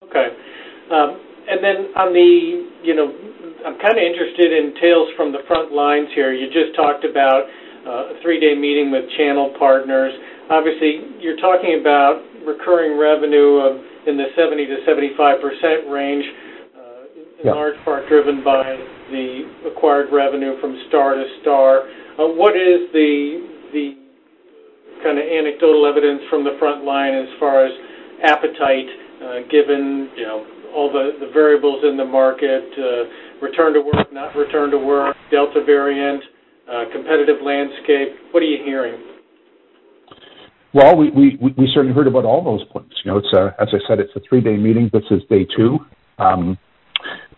Okay. I'm kind of interested in tales from the front lines here. You just talked about a three-day meeting with channel partners. Obviously, you're talking about recurring revenue in the 70%-75% range. In large part driven by the acquired revenue from Star2Star. What is the kind of anecdotal evidence from the front line as far as appetite, given all the variables in the market, return to work, not return to work, Delta variant, competitive landscape? What are you hearing? We certainly heard about all those points. I said, it's a three-day meeting. This is day two.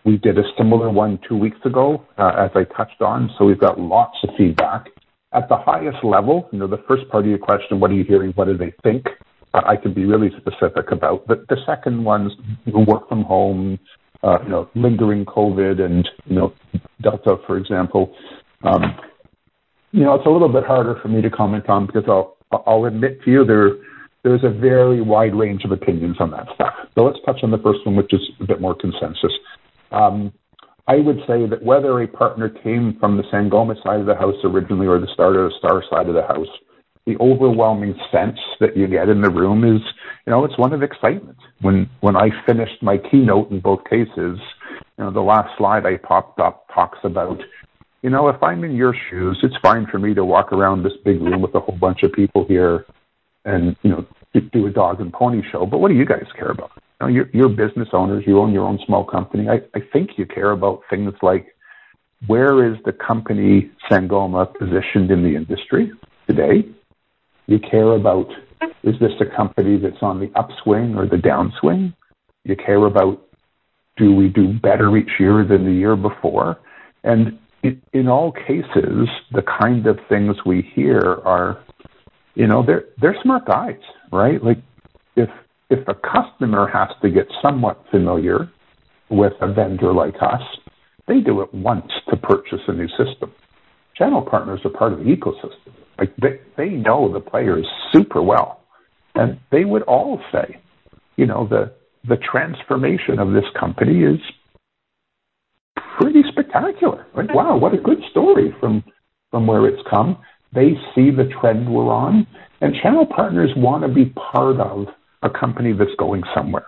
We did a similar one two weeks ago, I touched on. We've got lots of feedback. At the highest level, the first part of your question, what are you hearing? What do they think? I can be really specific about, but the second one's work from home, lingering COVID, and Delta, for example. It's a little bit harder for me to comment on because I'll admit to you, there is a very wide range of opinions on that stuff. Let's touch on the first one, which is a bit more consensus. I would say that whether a partner came from the Sangoma side of the house originally or the Star2Star side of the house, the overwhelming sense that you get in the room is. It's one of excitement. When I finished my keynote in both cases, the last slide I popped up talks about, if I'm in your shoes, it's fine for me to walk around this big room with a whole bunch of people here and do a dog and pony show. What do you guys care about? You're business owners. You own your own small company. I think you care about things like where is the company Sangoma Technologies positioned in the industry today? You care about, is this a company that's on the upswing or the downswing? You care about, do we do better each year than the year before? In all cases, the kind of things we hear are, they're smart guys, right? If a customer has to get somewhat familiar with a vendor like us, they do it once to purchase a new system. Channel partners are part of the ecosystem. They know the players super well, and they would all say the transformation of this company is pretty spectacular. Like, wow, what a good story from where it's come. They see the trend we're on, and channel partners want to be part of a company that's going somewhere,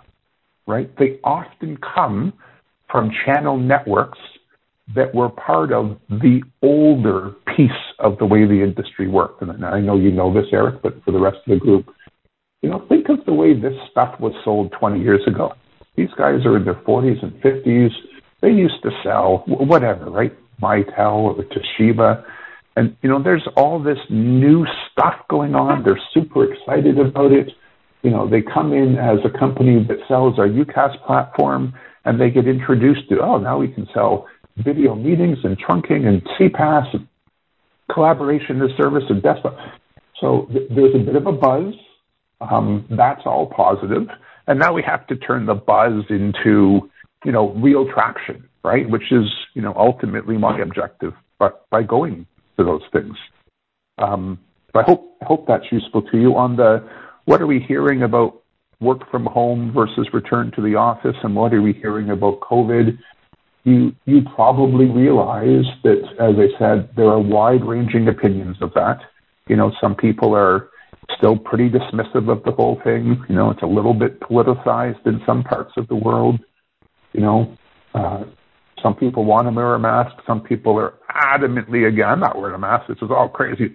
right? They often come from channel networks that were part of the older piece of the way the industry worked. I know you know this, Eric, but for the rest of the group, think of the way this stuff was sold 20 years ago. These guys are in their 40s and 50s. They used to sell whatever, right? Mitel or the Toshiba. There's all this new stuff going on. They're super excited about it. They come in as a company that sells our UCaaS platform. They get introduced to, now we can sell video meetings and trunking and CPaaS and Collaboration as a Service and Desktop as a Service. There's a bit of a buzz. That's all positive. Now we have to turn the buzz into real traction, right? Which is ultimately my objective by going to those things. I hope that's useful to you. On the what are we hearing about work from home versus return to the office, what are we hearing about COVID-19? You probably realize that, as I said, there are wide-ranging opinions of that. Some people are still pretty dismissive of the whole thing. It's a little bit politicized in some parts of the world. Some people want to wear a mask, some people are adamantly against, "I'm not wearing a mask. This is all crazy.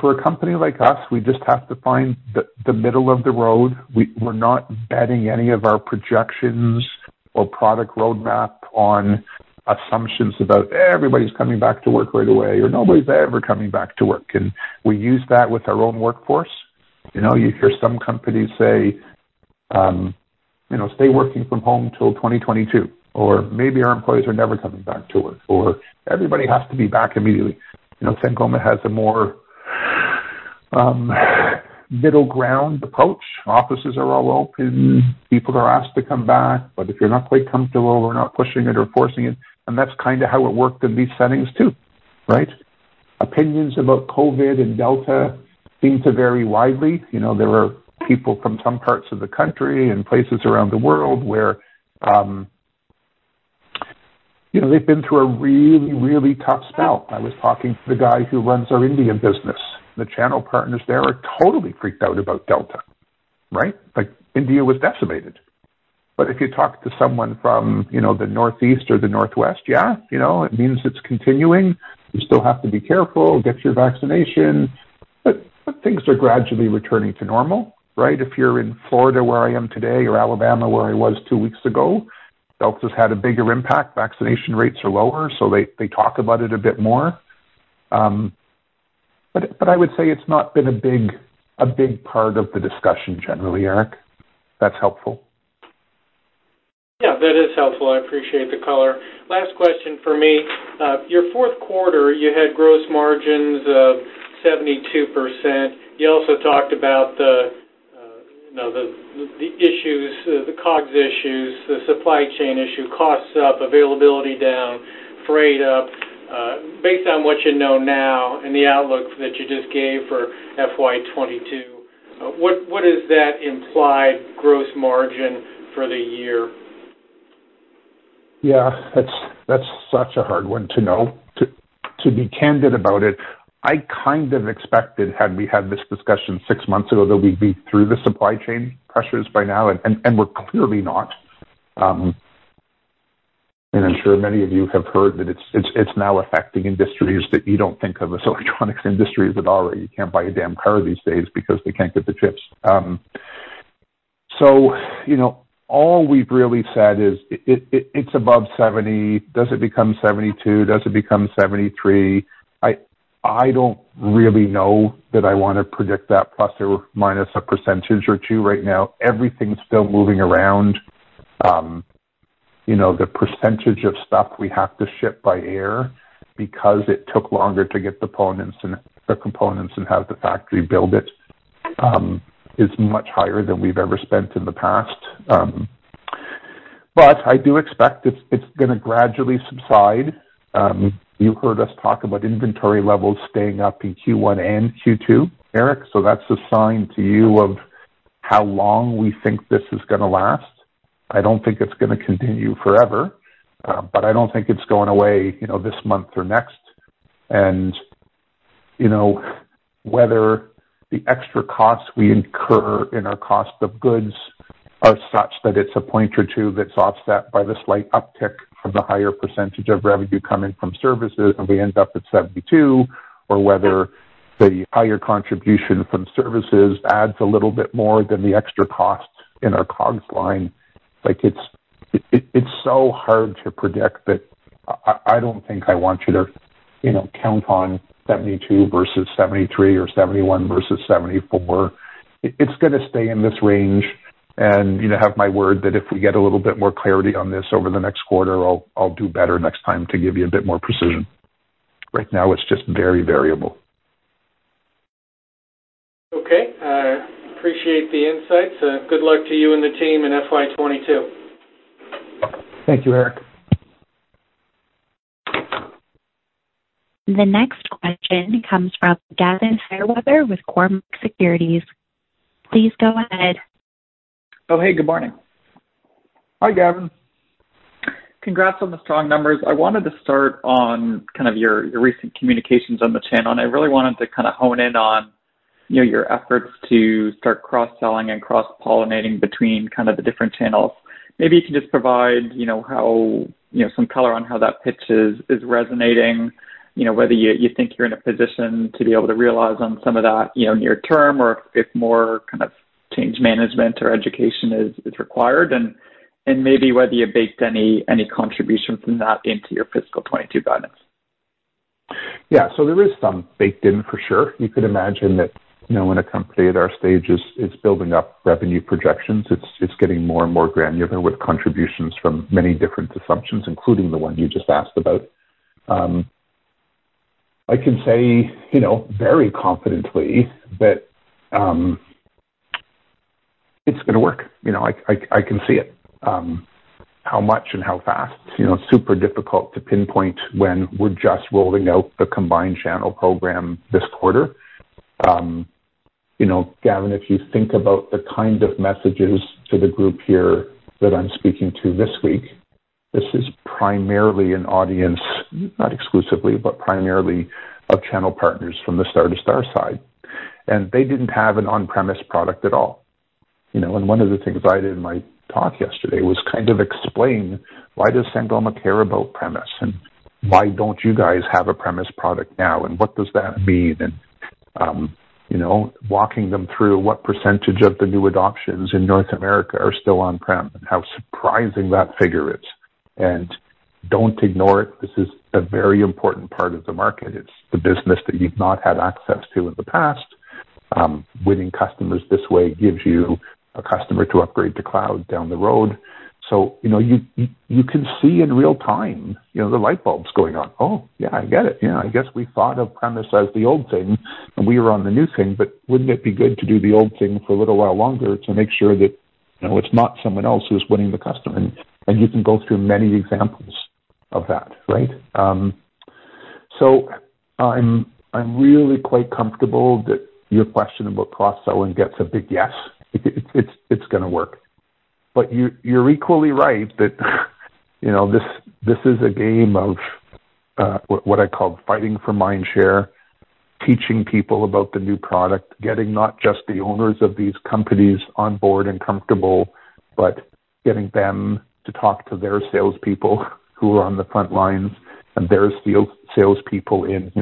For a company like us, we just have to find the middle of the road. We're not betting any of our projections or product roadmap on assumptions about everybody's coming back to work right away, or nobody's ever coming back to work. We use that with our own workforce. You hear some companies say, "Stay working from home till 2022," or, "Maybe our employees are never coming back to work," or, "Everybody has to be back immediately." Sangoma has a more middle ground approach. Offices are all open. People are asked to come back, but if you're not quite comfortable, we're not pushing it or forcing it, and that's kind of how it worked in these settings, too, right? Opinions about COVID and Delta seem to vary widely. There are people from some parts of the country and places around the world where they've been through a really, really tough spell. I was talking to the guy who runs our Indian business. The channel partners there are totally freaked out about Delta, right? Like India was decimated. If you talk to someone from the Northeast or the Northwest, yeah, it means it's continuing. You still have to be careful, get your vaccination, but things are gradually returning to normal, right? If you're in Florida, where I am today, or Alabama, where I was two weeks ago, Delta's had a bigger impact. Vaccination rates are lower, they talk about it a bit more. I would say it's not been a big part of the discussion generally, Eric, if that's helpful. Yeah, that is helpful. I appreciate the color. Last question for me. Your fourth quarter, you had gross margins of 72%. You also talked about the COGS issues, the supply chain issue, costs up, availability down, freight up. Based on what you know now and the outlook that you just gave for FY 2022, what is that implied gross margin for the year? Yeah, that's such a hard one to know. To be candid about it, I kind of expected, had we had this discussion six months ago, that we'd be through the supply chain pressures by now. We're clearly not. I'm sure many of you have heard that it's now affecting industries that you don't think of as electronics industries at all, right? You can't buy a damn car these days because they can't get the chips. All we've really said is, it's above 70. Does it become 72? Does it become 73? I don't really know that I want to predict that ±1% or 2% right now. Everything's still moving around. The percentage of stuff we have to ship by air because it took longer to get the components and have the factory build it is much higher than we've ever spent in the past. I do expect it's going to gradually subside. You heard us talk about inventory levels staying up in Q1 and Q2, Eric. That's a sign to you of how long we think this is going to last. I don't think it's going to continue forever. I don't think it's going away this month or next. Whether the extra costs we incur in our cost of goods are such that it's a point or two that's offset by the slight uptick from the higher percentage of revenue coming from services, and we end up at 72, or whether the higher contribution from services adds a little bit more than the extra costs in our COGS line. It's so hard to predict that I don't think I want you to count on 72 versus 73 or 71 versus 74. It's going to stay in this range, and you have my word that if we get a little bit more clarity on this over the next quarter, I'll do better next time to give you a bit more precision. Right now, it's just very variable. Okay. Appreciate the insights. Good luck to you and the team in FY 2022. Thank you, Eric. The next question comes from Gavin Fairweather with Cormark Securities. Please go ahead. Oh, hey, good morning. Hi, Gavin. Congrats on the strong numbers. I wanted to start on kind of your recent communications on the channel, and I really wanted to kind of hone in on your efforts to start cross-selling and cross-pollinating between kind of the different channels. Maybe you can just provide some color on how that pitch is resonating, whether you think you're in a position to be able to realize on some of that near term, or if more kind of change management or education is required, and maybe whether you baked any contribution from that into your fiscal 2022 guidance? Yeah. There is some baked in for sure. You could imagine that when a company at our stage is building up revenue projections, it is getting more and more granular with contributions from many different assumptions, including the one you just asked about. I can say very confidently that it is going to work. I can see it. How much and how fast, super difficult to pinpoint when we are just rolling out the combined channel program this quarter. Gavin, if you think about the kind of messages to the group here that I am speaking to this week, this is primarily an audience, not exclusively, but primarily of channel partners from the Star2Star side, and they did not have an on-premise product at all. One of the things I did in my talk yesterday was kind of explain why does Sangoma care about premise, and why don't you guys have a premise product now, and what does that mean? Walking them through what percentage of the new adoptions in North America are still on-prem, and how surprising that figure is. Don't ignore it. This is a very important part of the market. It's the business that you've not had access to in the past. Winning customers this way gives you a customer to upgrade to cloud down the road. You can see in real-time the light bulbs going on. "Oh, yeah, I get it. I guess we thought of premise as the old thing, and we were on the new thing, but wouldn't it be good to do the old thing for a little while longer to make sure that it's not someone else who's winning the customer? You can go through many examples of that, right? I'm really quite comfortable that your question about cross-selling gets a big yes. It's going to work. You're equally right that this is a game of what I call fighting for mind share, teaching people about the new product, getting not just the owners of these companies on board and comfortable, but getting them to talk to their salespeople who are on the front lines and their salespeople in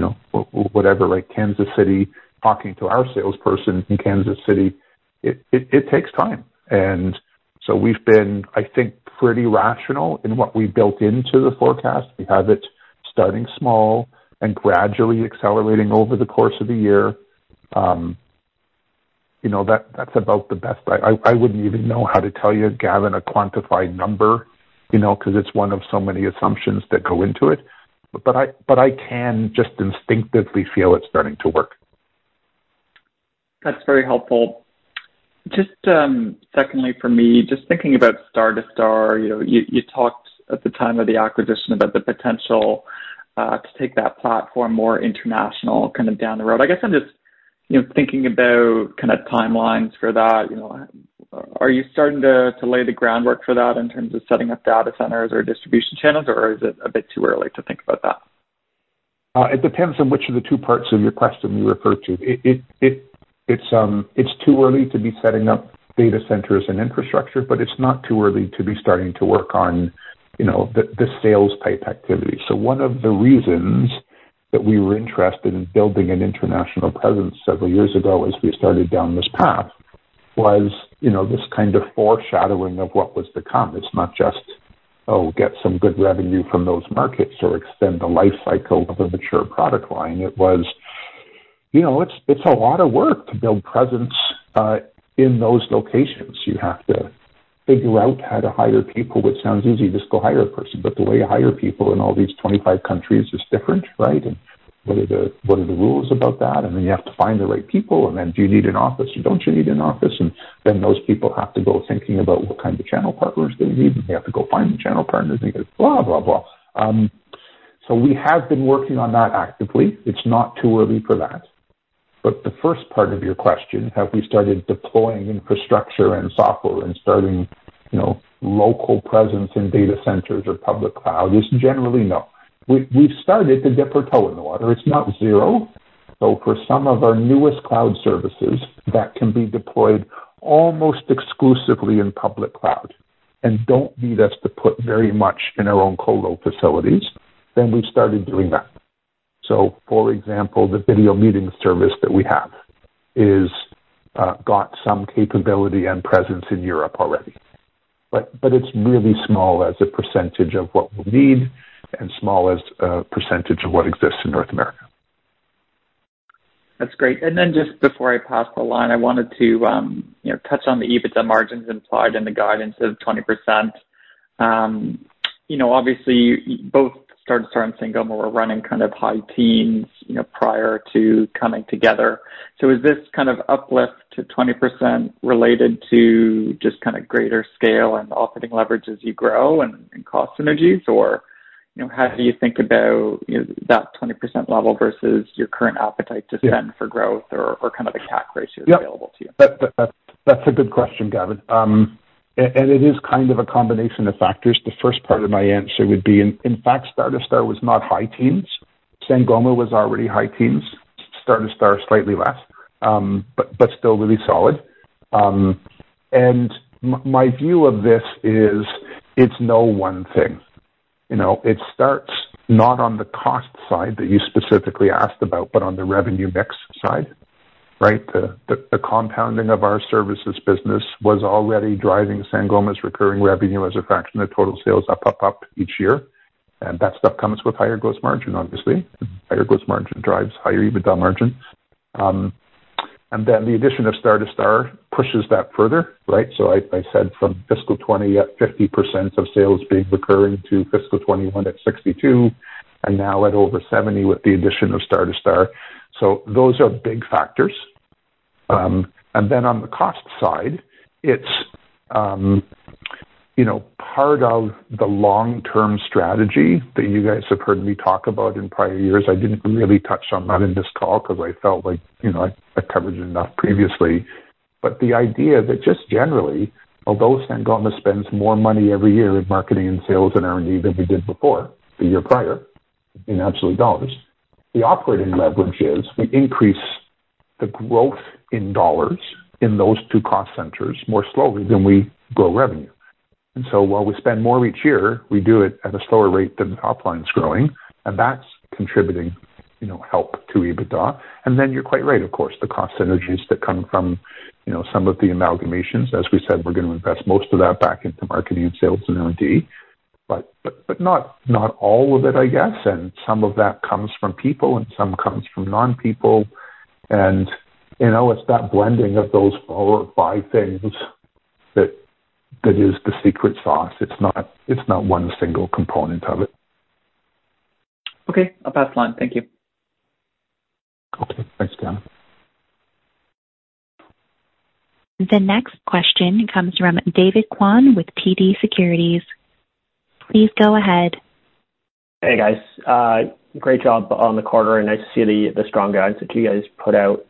whatever, like Kansas City talking to our salesperson in Kansas City. It takes time. We've been, I think, pretty rational in what we built into the forecast. We have it starting small and gradually accelerating over the course of the year. That's about the best. I wouldn't even know how to tell you, Gavin, a quantified number, because it's one of so many assumptions that go into it. I can just instinctively feel it's starting to work. That's very helpful. Just secondly, for me, just thinking about Star2Star, you talked at the time of the acquisition about the potential to take that platform more international down the road. I guess I'm just thinking about timelines for that. Are you starting to lay the groundwork for that in terms of setting up data centers or distribution channels, or is it a bit too early to think about that? It depends on which of the two parts of your question you refer to. It's too early to be setting up data centers and infrastructure, but it's not too early to be starting to work on the sales-type activity. One of the reasons that we were interested in building an international presence several years ago as we started down this path was this kind of foreshadowing of what was to come. It's not just, oh, get some good revenue from those markets or extend the life cycle of a mature product line. It's a lot of work to build presence in those locations. You have to figure out how to hire people, which sounds easy, just go hire a person. The way you hire people in all these 25 countries is different, right? What are the rules about that? You have to find the right people, and then do you need an office or don't you need an office? Those people have to go thinking about what kind of channel partners they need, and they have to go find the channel partners, blah, blah. We have been working on that actively. It's not too early for that. The first part of your question, have we started deploying infrastructure and software and starting local presence in data centers or public cloud is generally no. We've started to dip our toe in the water. It's not zero. For some of our newest cloud services that can be deployed almost exclusively in public cloud and don't need us to put very much in our own colo facilities, then we've started doing that. For example, the video meeting service that we have got some capability and presence in Europe already. It's really small as a percentage of what we'll need and small as a percentage of what exists in North America. That's great. Just before I pass the line, I wanted to touch on the EBITDA margins implied in the guidance of 20%. Obviously, both Star2Star and Sangoma were running kind of high teens prior to coming together. Is this kind of uplift to 20% related to just kind of greater scale and operating leverage as you grow and cost synergies? Or how do you think about that 20% level versus your current appetite to spend for growth or kind of the CAC ratios available to you? That's a good question, Gavin. It is kind of a combination of factors. The first part of my answer would be, in fact, Star2Star was not high teens. Sangoma was already high teens. Star2Star, slightly less, but still really solid. My view of this is it's no one thing. It starts not on the cost side that you specifically asked about, but on the revenue mix side, right? The compounding of our services business was already driving Sangoma's recurring revenue as a fraction of total sales up each year, and that stuff comes with higher gross margin, obviously. Higher gross margin drives higher EBITDA margin. Then the addition of Star2Star pushes that further, right? I said from fiscal 2020 at 50% of sales being recurring to fiscal 2021 at 62%, and now at over 70% with the addition of Star2Star. Those are big factors. On the cost side, it's part of the long-term strategy that you guys have heard me talk about in prior years. I didn't really touch on that in this call because I felt like I covered it enough previously. The idea that just generally, although Sangoma spends more money every year in marketing and sales and R&D than we did before, the year prior, in absolute dollars, the operating leverage is we increase the growth in dollars in those two cost centers more slowly than we grow revenue. While we spend more each year, we do it at a slower rate than the top line's growing, and that's contributing help to EBITDA. You're quite right, of course, the cost synergies that come from some of the amalgamations, as we said, we're going to invest most of that back into marketing, sales, and R&D, but not all of it, I guess. Some of that comes from people and some comes from non-people. It's that blending of those four or five things that is the secret sauce. It's not one single component of it. Okay, I'll pass the line. Thank you. Okay. Thanks, Gavin. The next question comes from David Kwan with TD Securities. Please go ahead. Hey, guys. Great job on the quarter, and nice to see the strong guidance that you guys put out.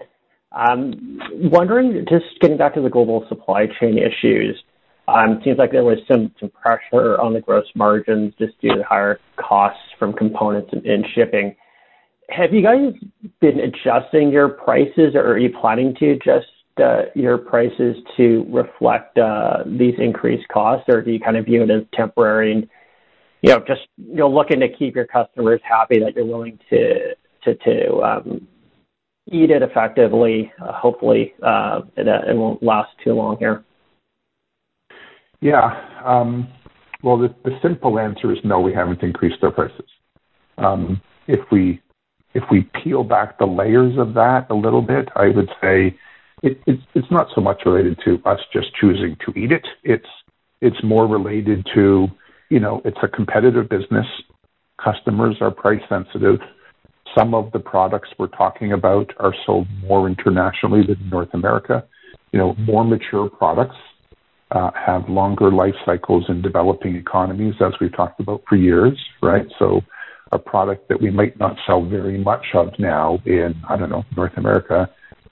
Wondering, just getting back to the global supply chain issues, it seems like there was some pressure on the gross margins just due to higher costs from components and shipping. Have you guys been adjusting your prices, or are you planning to adjust your prices to reflect these increased costs? Do you kind of view it as temporary and just looking to keep your customers happy that you're willing to eat it effectively? Hopefully, it won't last too long here. Yeah. Well, the simple answer is no, we haven't increased our prices. If we peel back the layers of that a little bit, I would say it's not so much related to us just choosing to eat it. It's more related to, it's a competitive business. Customers are price sensitive. Some of the products we're talking about are sold more internationally than North America. More mature products have longer life cycles in developing economies, as we've talked about for years, right? A product that we might not sell very much of now in, I don't know, North America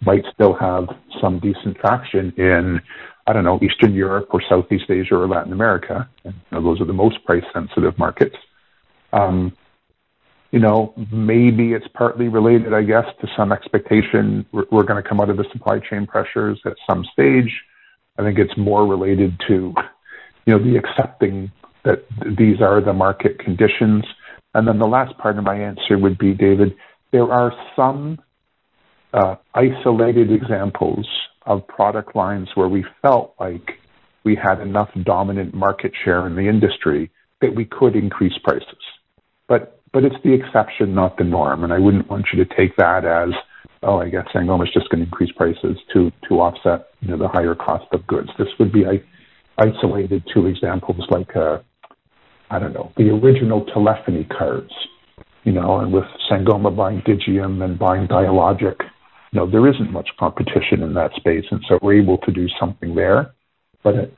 might still have some decent traction in, I don't know, Eastern Europe or Southeast Asia or Latin America. Those are the most price-sensitive markets. Maybe it's partly related, I guess, to some expectation we're going to come out of the supply chain pressures at some stage. I think it's more related to the accepting that these are the market conditions. The last part of my answer would be, David, there are some isolated examples of product lines where we felt like we had enough dominant market share in the industry that we could increase prices. It's the exception, not the norm. I wouldn't want you to take that as, oh, I guess Sangoma is just going to increase prices to offset the higher cost of goods. This would be isolated to examples like, I don't know, the original telephony cards. With Sangoma buying Digium and buying Dialogic, there isn't much competition in that space, and so we're able to do something there.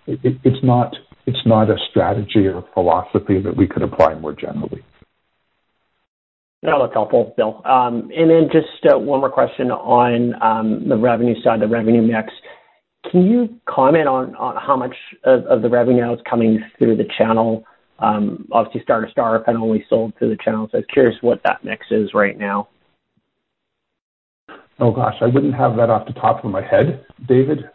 It's not a strategy or philosophy that we could apply more generally. That was helpful, Bill. Then just one more question on the revenue side, the revenue mix. Can you comment on how much of the revenue now is coming through the channel? Obviously, Star2Star had only sold through the channel, so curious what that mix is right now. Oh, gosh, I wouldn't have that off the top of my head, David.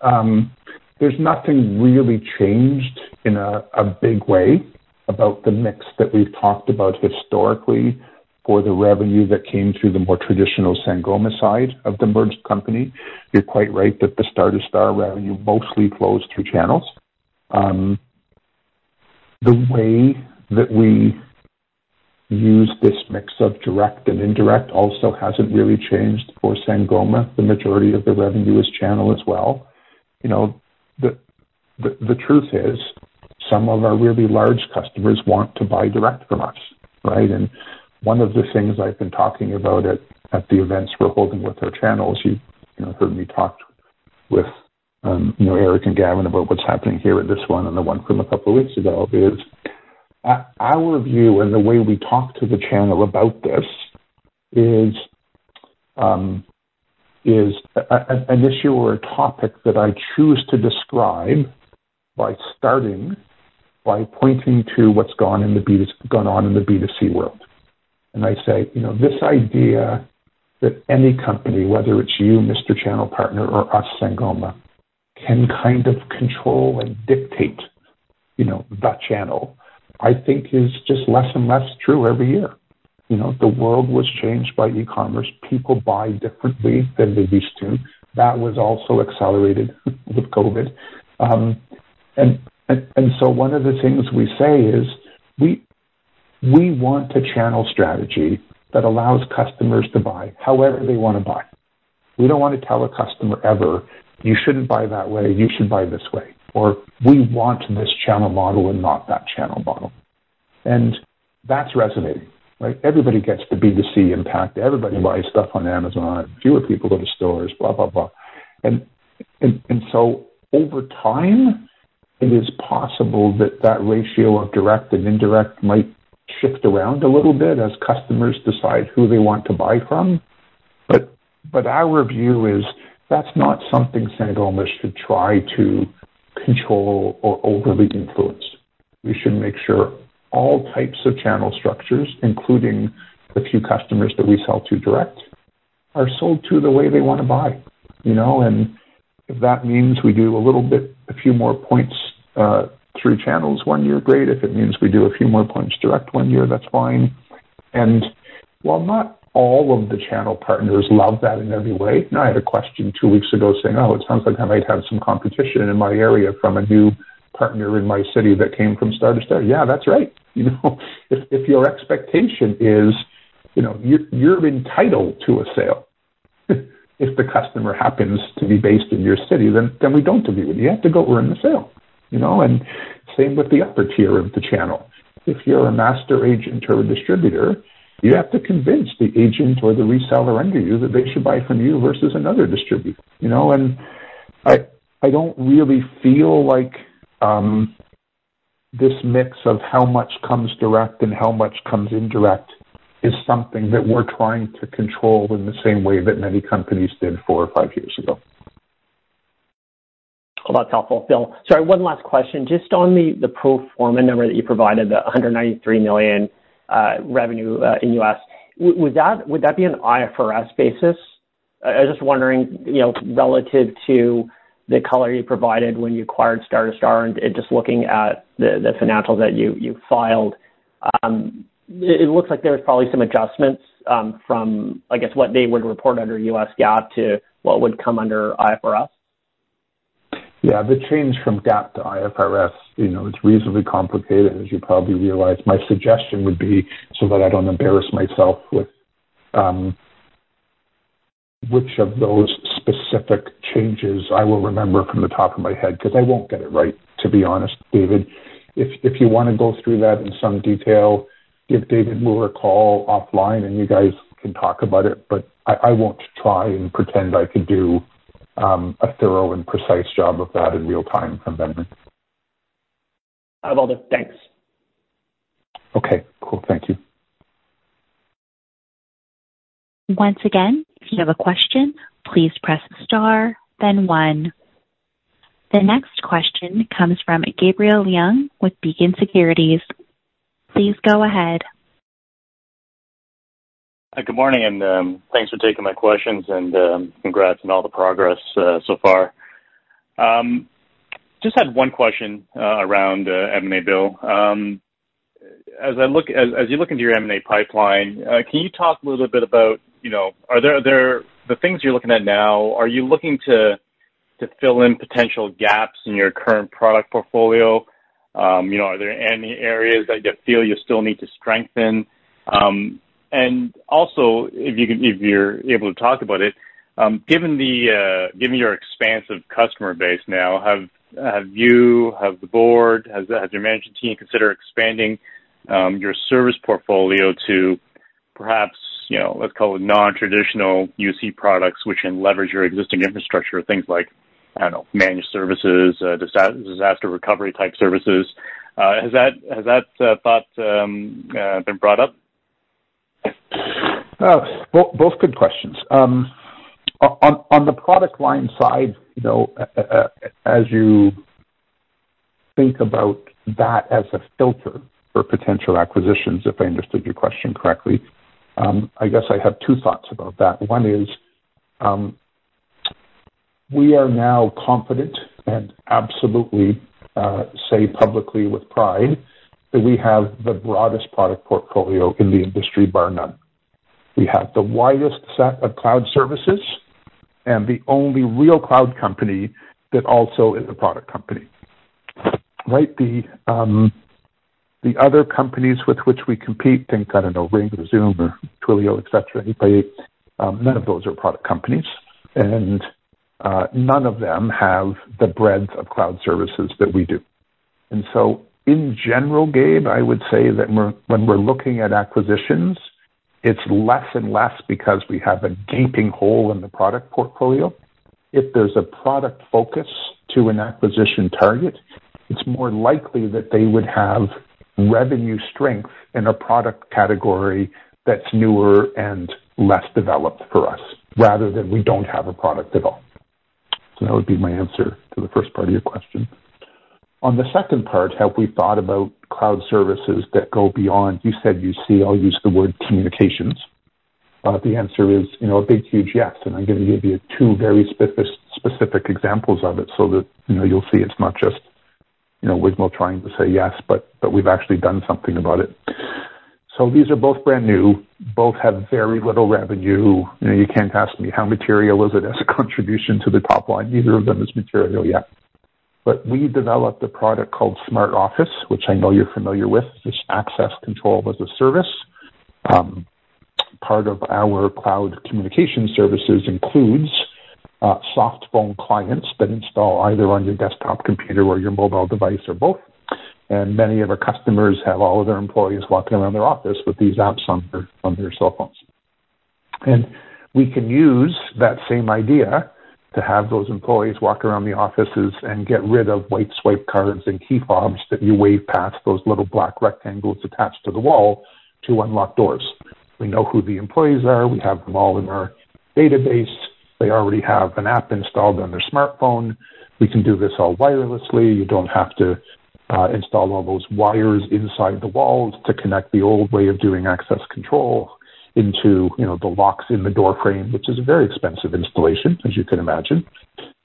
There's nothing really changed in a big way about the mix that we've talked about historically for the revenue that came through the more traditional Sangoma side of the merged company. You're quite right that the Star2Star revenue mostly flows through channels. The way that we use this mix of direct and indirect also hasn't really changed for Sangoma. The majority of the revenue is channel as well. The truth is, some of our really large customers want to buy direct from us, right? One of the things I've been talking about at the events we're holding with our channels, you've heard me talk with Eric and Gavin about what's happening here at this one and the one from a couple of weeks ago, is our view and the way we talk to the channel about this is an issue or a topic that I choose to describe by starting, by pointing to what's gone on in the B2C world. I say, this idea that any company, whether it's you, Mr. Channel Partner, or us, Sangoma, can kind of control and dictate the channel, I think is just less and less true every year. The world was changed by e-commerce. People buy differently than they used to. That was also accelerated with COVID. One of the things we say is we want a channel strategy that allows customers to buy however they want to buy. We don't want to tell a customer ever, "You shouldn't buy that way. You should buy this way," or, "We want this channel model and not that channel model." That's resonating, right? Everybody gets the B2C impact. Everybody buys stuff on Amazon. Fewer people go to stores, blah, blah. Over time, it is possible that that ratio of direct and indirect might shift around a little bit as customers decide who they want to buy from. Our view is that's not something Sangoma should try to control or overly influence. We should make sure all types of channel structures, including the few customers that we sell to direct, are sold to the way they want to buy. If that means we do a little bit, a few more points through channels one year, great. If it means we do a few more points direct one year, that's fine. While not all of the channel partners love that in every way, and I had a question two weeks ago saying, "Oh, it sounds like I might have some competition in my area from a new partner in my city that came from Star2Star?" Yeah, that's right. If your expectation is you're entitled to a sale if the customer happens to be based in your city, then we don't agree with you. You have to go earn the sale. Same with the upper tier of the channel. If you're a master agent or a distributor, you have to convince the agent or the reseller under you that they should buy from you versus another distributor. I don't really feel like this mix of how much comes direct and how much comes indirect is something that we're trying to control in the same way that many companies did four or five years ago. Well, that's helpful, Bill. Sorry, one last question. Just on the pro forma number that you provided, the $193 million revenue in U.S. Would that be an IFRS basis? I was just wondering relative to the color you provided when you acquired Star2Star and just looking at the financials that you filed. It looks like there's probably some adjustments from, I guess, what they would report under U.S. GAAP to what would come under IFRS. Yeah. The change from GAAP to IFRS, it's reasonably complicated, as you probably realize. My suggestion would be, so that I don't embarrass myself with which of those specific changes I will remember from the top of my head, because I won't get it right, to be honest, David. If you want to go through that in some detail, if David will recall offline and you guys can talk about it, but I won't try and pretend I can do a thorough and precise job of that in real time from memory. I will do. Thanks. Okay, cool. Thank you. Once again if you have a question please press star then one. The next question comes from Gabriel Leung with Beacon Securities. Please go ahead. Hi, good morning, and thanks for taking my questions and congrats on all the progress so far. Just had one question around M&A, Bill. As you look into your M&A pipeline, can you talk a little bit about the things you're looking at now, are you looking to fill in potential gaps in your current product portfolio? Are there any areas that you feel you still need to strengthen? Also, if you're able to talk about it, given your expansive customer base now, have you, have the board, has your management team considered expanding your service portfolio to perhaps, let's call it non-traditional UC products, which can leverage your existing infrastructure, things like, I don't know, managed services, disaster recovery type services. Has that thought been brought up? Both good questions. On the product line side, as you think about that as a filter for potential acquisitions, if I understood your question correctly, I guess I have two thoughts about that. One is, we are now confident, and absolutely say publicly with pride, that we have the broadest product portfolio in the industry, bar none. We have the widest set of cloud services and the only real cloud company that also is a product company. Right? The other companies with which we compete, think, I don't know, Ring or Zoom or Twilio, et cetera, any of those, none of those are product companies. None of them have the breadth of cloud services that we do. In general, Gabe, I would say that when we're looking at acquisitions, it's less and less because we have a gaping hole in the product portfolio. If there's a product focus to an acquisition target, it's more likely that they would have revenue strength in a product category that's newer and less developed for us, rather than we don't have a product at all. That would be my answer to the first part of your question. On the second part, have we thought about cloud services that go beyond, you said UC, I'll use the word communications. The answer is a big, huge yes. I'm going to give you two very specific examples of it so that you'll see it's not just Wignall trying to say yes, but we've actually done something about it. These are both brand new. Both have very little revenue. You can't ask me how material is it as a contribution to the top line. Neither of them is material yet. We developed a product called SmartOffice, which I know you're familiar with. It's Access Control as a Service. Part of our cloud communication services includes softphone clients that install either on your desktop computer or your mobile device, or both. Many of our customers have all of their employees walking around their office with these apps on their cellphones. We can use that same idea to have those employees walk around the offices and get rid of white swipe cards and key fobs that you wave past those little black rectangles attached to the wall to unlock doors. We know who the employees are. We have them all in our database. They already have an app installed on their smartphone. We can do this all wirelessly. You don't have to install all those wires inside the walls to connect the old way of doing access control into the locks in the door frame, which is a very expensive installation, as you can imagine.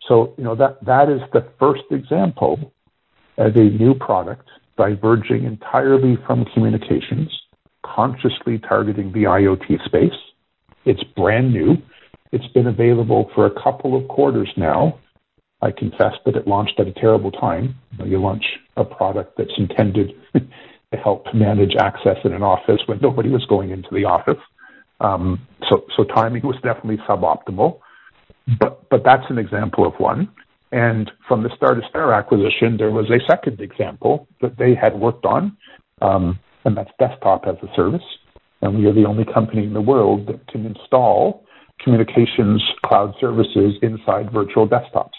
That is the first example of a new product diverging entirely from communications, consciously targeting the IoT space. It's brand new. It's been available for a couple of quarters now. I confess that it launched at a terrible time. You launch a product that's intended to help manage access in an office when nobody was going into the office. Timing was definitely suboptimal, but that's an example of one. From the Star2Star acquisition, there was a second example that they had worked on, and that's Desktop as a Service, and we are the only company in the world that can install communications cloud services inside virtual desktops.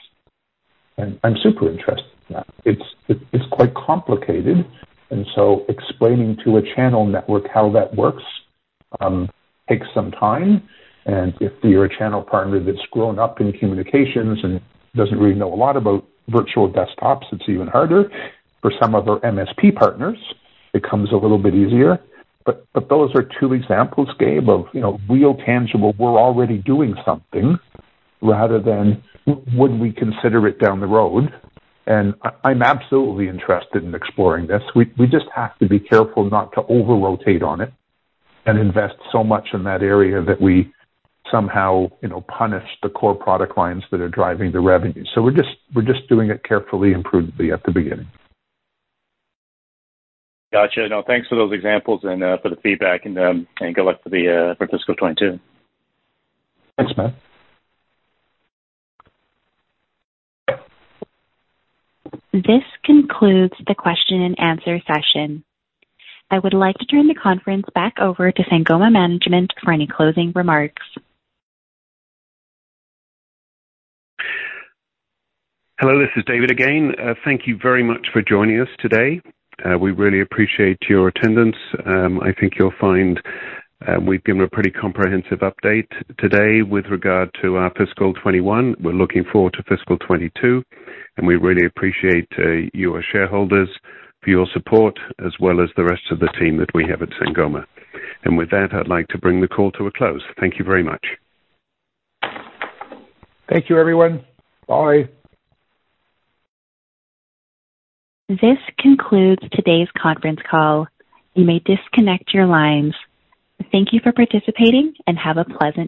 I'm super interested in that. It's quite complicated, explaining to a channel network how that works takes some time. If you're a channel partner that's grown up in communications and doesn't really know a lot about virtual desktops, it's even harder. For some of our MSP partners, it comes a little bit easier. Those are two examples, Gabe, of real tangible, we're already doing something rather than would we consider it down the road. I'm absolutely interested in exploring this. We just have to be careful not to over-rotate on it and invest so much in that area that we somehow punish the core product lines that are driving the revenue. We're just doing it carefully and prudently at the beginning. Got you. No, thanks for those examples and for the feedback and good luck for fiscal 2022. Thanks, man. This concludes the question and answer session. I would like to turn the conference back over to Sangoma management for any closing remarks. Hello, this is David again. Thank you very much for joining us today. We really appreciate your attendance. I think you'll find we've given a pretty comprehensive update today with regard to our fiscal 2021. We're looking forward to fiscal 2022, and we really appreciate you as shareholders for your support, as well as the rest of the team that we have at Sangoma. With that, I'd like to bring the call to a close. Thank you very much. Thank you everyone. Bye. This concludes today's conference call. You may disconnect your lines. Thank you for participating and have a pleasant day.